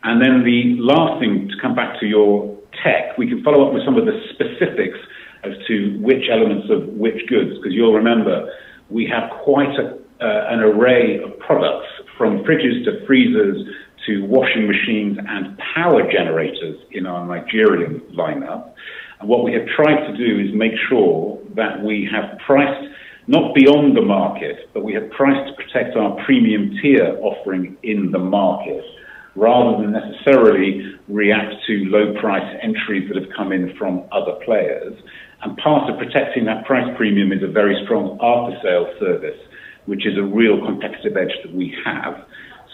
Then the last thing, to come back to your tech, we can follow up with some of the specifics as to which elements of which goods, 'cause you'll remember we have quite a, an array of products from fridges to freezers to washing machines and power generators in our Nigerian lineup. What we have tried to do is make sure that we have priced, not beyond the market, but we have priced to protect our premium tier offering in the market rather than necessarily react to low price entries that have come in from other players. Part of protecting that price premium is a very strong after-sale service, which is a real competitive edge that we have.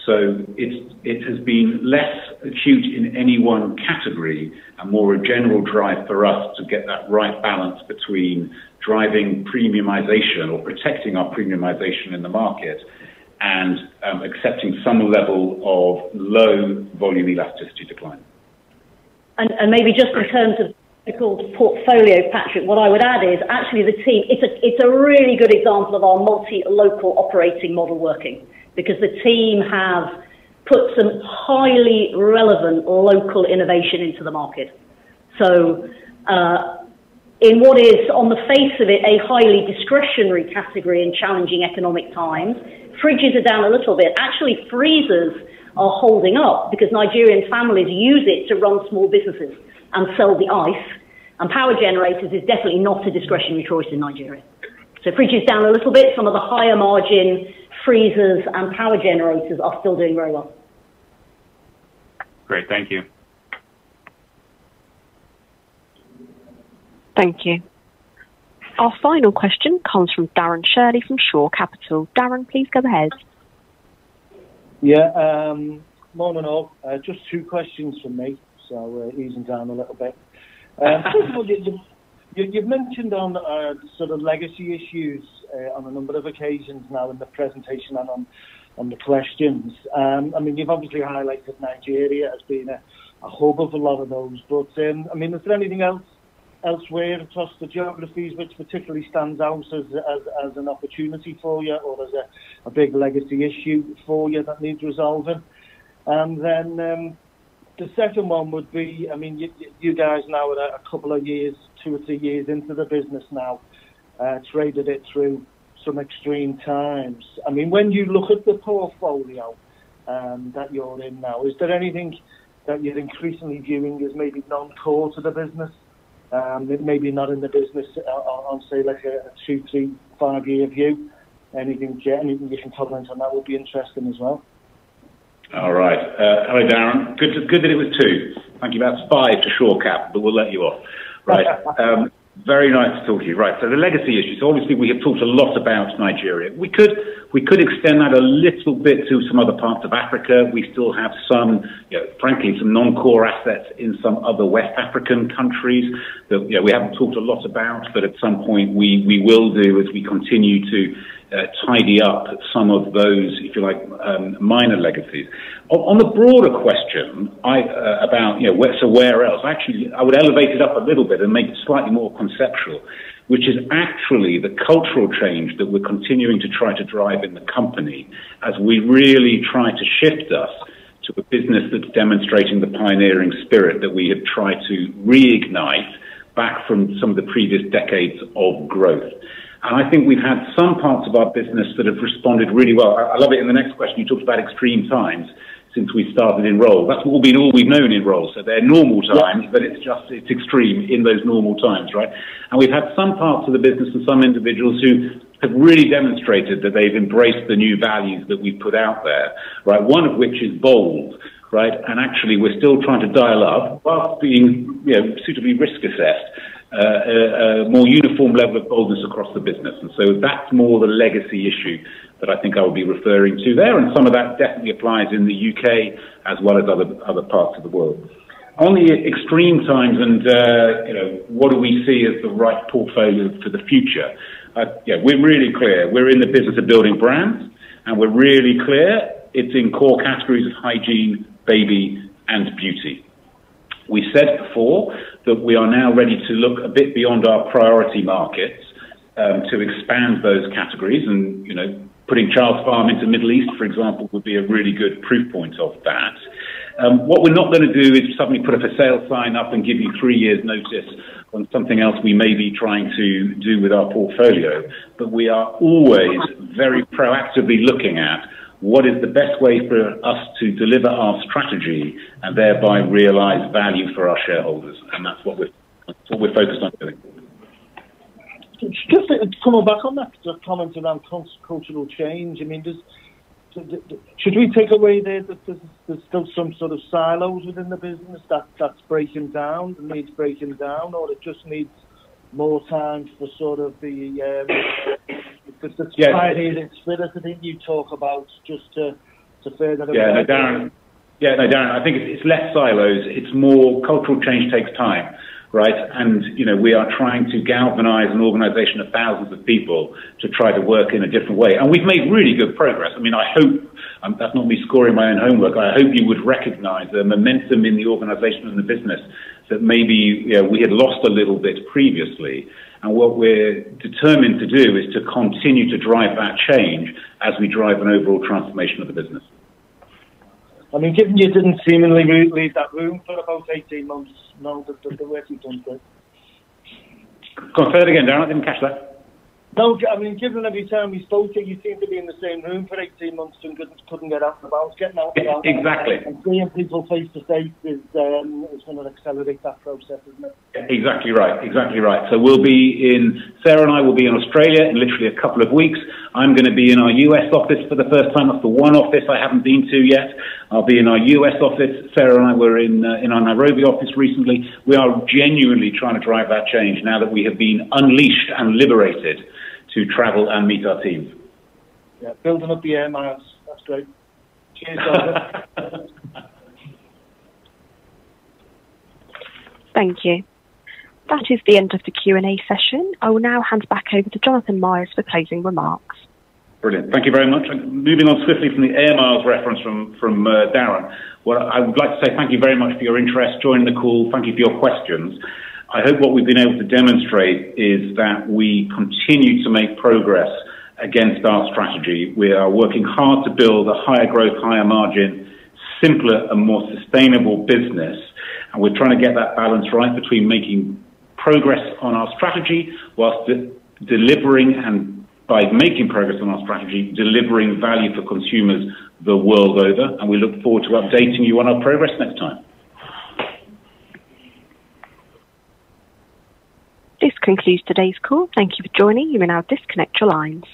It's, it has been less acute in any one category and more a general drive for us to get that right balance between driving premiumization or protecting our premiumization in the market and accepting some level of low volume elasticity decline. Maybe just in terms of the called portfolio, Patrick, what I would add is actually the team, it's a really good example of our multi-local operating model working because the team have put some highly relevant local innovation into the market. In what is, on the face of it, a highly discretionary category in challenging economic times, fridges are down a little bit. Actually, freezers are holding up because Nigerian families use it to run small businesses and sell the ice, and power generators is definitely not a discretionary choice in Nigeria. Fridges down a little bit. Some of the higher margin freezers and power generators are still doing very well. Great. Thank you. Thank you. Our final question comes from Darren Shirley from Shore Capital. Darren, please go ahead. Morning all. Just two questions from me, so we're easing down a little bit. First of all, you've mentioned on our sort of legacy issues on a number of occasions now in the presentation and on the questions. I mean, you've obviously highlighted Nigeria as being a hub of a lot of those, but I mean, is there anything elsewhere across the geographies which particularly stands out as an opportunity for you or as a big legacy issue for you that needs resolving? The second one would be, I mean, you guys now with a couple of years, two or three years into the business now, traded it through some extreme times. I mean, when you look at the portfolio, that you're in now, is there anything that you're increasingly viewing as maybe non-core to the business, that may be not in the business on, say, like a two, three, five year view? Anything you can comment on that would be interesting as well? All right. Hello, Darren. Good that it was two. Thank you. That's five to Shore Cap, but we'll let you off. Right. Very nice to talk to you. Right. The legacy issues, obviously we have talked a lot about Nigeria. We could extend that a little bit to some other parts of Africa. We still have some, you know, frankly, some non-core assets in some other West African countries that, you know, we haven't talked a lot about, but at some point we will do as we continue to tidy up some of those, if you like, minor legacies. On the broader question I about, you know, where else? Actually, I would elevate it up a little bit and make it slightly more conceptual, which is actually the cultural change that we're continuing to try to drive in the company as we really try to shift us to a business that's demonstrating the pioneering spirit that we have tried to reignite back from some of the previous decades of growth. I think we've had some parts of our business that have responded really well. I love it in the next question you talked about extreme times since we started in roles. That's what been all we've known in roles. They're normal times, but it's just, it's extreme in those normal times, right? We've had some parts of the business and some individuals who have really demonstrated that they've embraced the new values that we put out there, right? One of which is bold, right? Actually, we're still trying to dial up whilst being, you know, suitably risk assessed, more uniform level of boldness across the business. So that's more the legacy issue that I think I would be referring to there. Some of that definitely applies in the U.K. as well as other parts of the world. On the extreme times and, you know, what do we see as the right portfolio for the future? Yeah, we are really clear. We're in the business of building brands, and we're really clear it's in core categories of hygiene, baby, and beauty. We said before that we are now ready to look a bit beyond our priority markets to expand those categories. You know, putting Childs Farm into Middle East, for example, would be a really good proof point of that. What we're not gonna do is suddenly put up a for sale sign up and give you three years notice on something else we may be trying to do with our portfolio. We are always very proactively looking at what is the best way for us to deliver our strategy and thereby realize value for our shareholders? That's what we're focused on doing. Just coming back on that comment around cultural change. I mean, should we take away there that there's still some sort of silos within the business that's breaking down, needs breaking down, or it just needs more time for sort of the society you talk about just to further? Yeah, no, Darren, I think it's less silos. It's more cultural change takes time, right? You know, we are trying to galvanize an organization of thousands of people to try to work in a different way. We've made really good progress. I mean, I hope that's not me scoring my own homework. I hope you would recognize the momentum in the organization and the business that maybe, you know, we had lost a little bit previously. What we're determined to do is to continue to drive that change as we drive an overall transformation of the business. I mean, given you didn't seemingly leave that room for about 18 months now that the work is done with. Come on, say that again, Darren. I didn't catch that. No, I mean, given every time we spoke to you seemed to be in the same room for 18 months doing business, couldn't get out and about. Getting out. Exactly. seeing people face to face is gonna accelerate that process, isn't it? Exactly right. Exactly right. Sarah and I will be in Australia in literally a couple of weeks. I'm gonna be in our U.S. office for the first time. That's the one office I haven't been to yet. I'll be in our U.S. office. Sarah and I were in our Nairobi office recently. We are genuinely trying to drive that change now that we have been unleashed and liberated to travel and meet our teams. Yeah. Building up the air miles. That's great. Cheers, brother. Thank you. That is the end of the Q&A session. I will now hand back over to Jonathan Myers for closing remarks. Brilliant. Thank you very much. Moving on swiftly from the air miles reference from Darren. I would like to say thank you very much for your interest. Joining the call, thank you for your questions. I hope what we've been able to demonstrate is that we continue to make progress against our strategy. We are working hard to build a higher growth, higher margin, simpler and more sustainable business. We're trying to get that balance right between making progress on our strategy whilst delivering and by making progress on our strategy, delivering value for consumers the world over. We look forward to updating you on our progress next time. This concludes today's call. Thank you for joining. You may now disconnect your lines.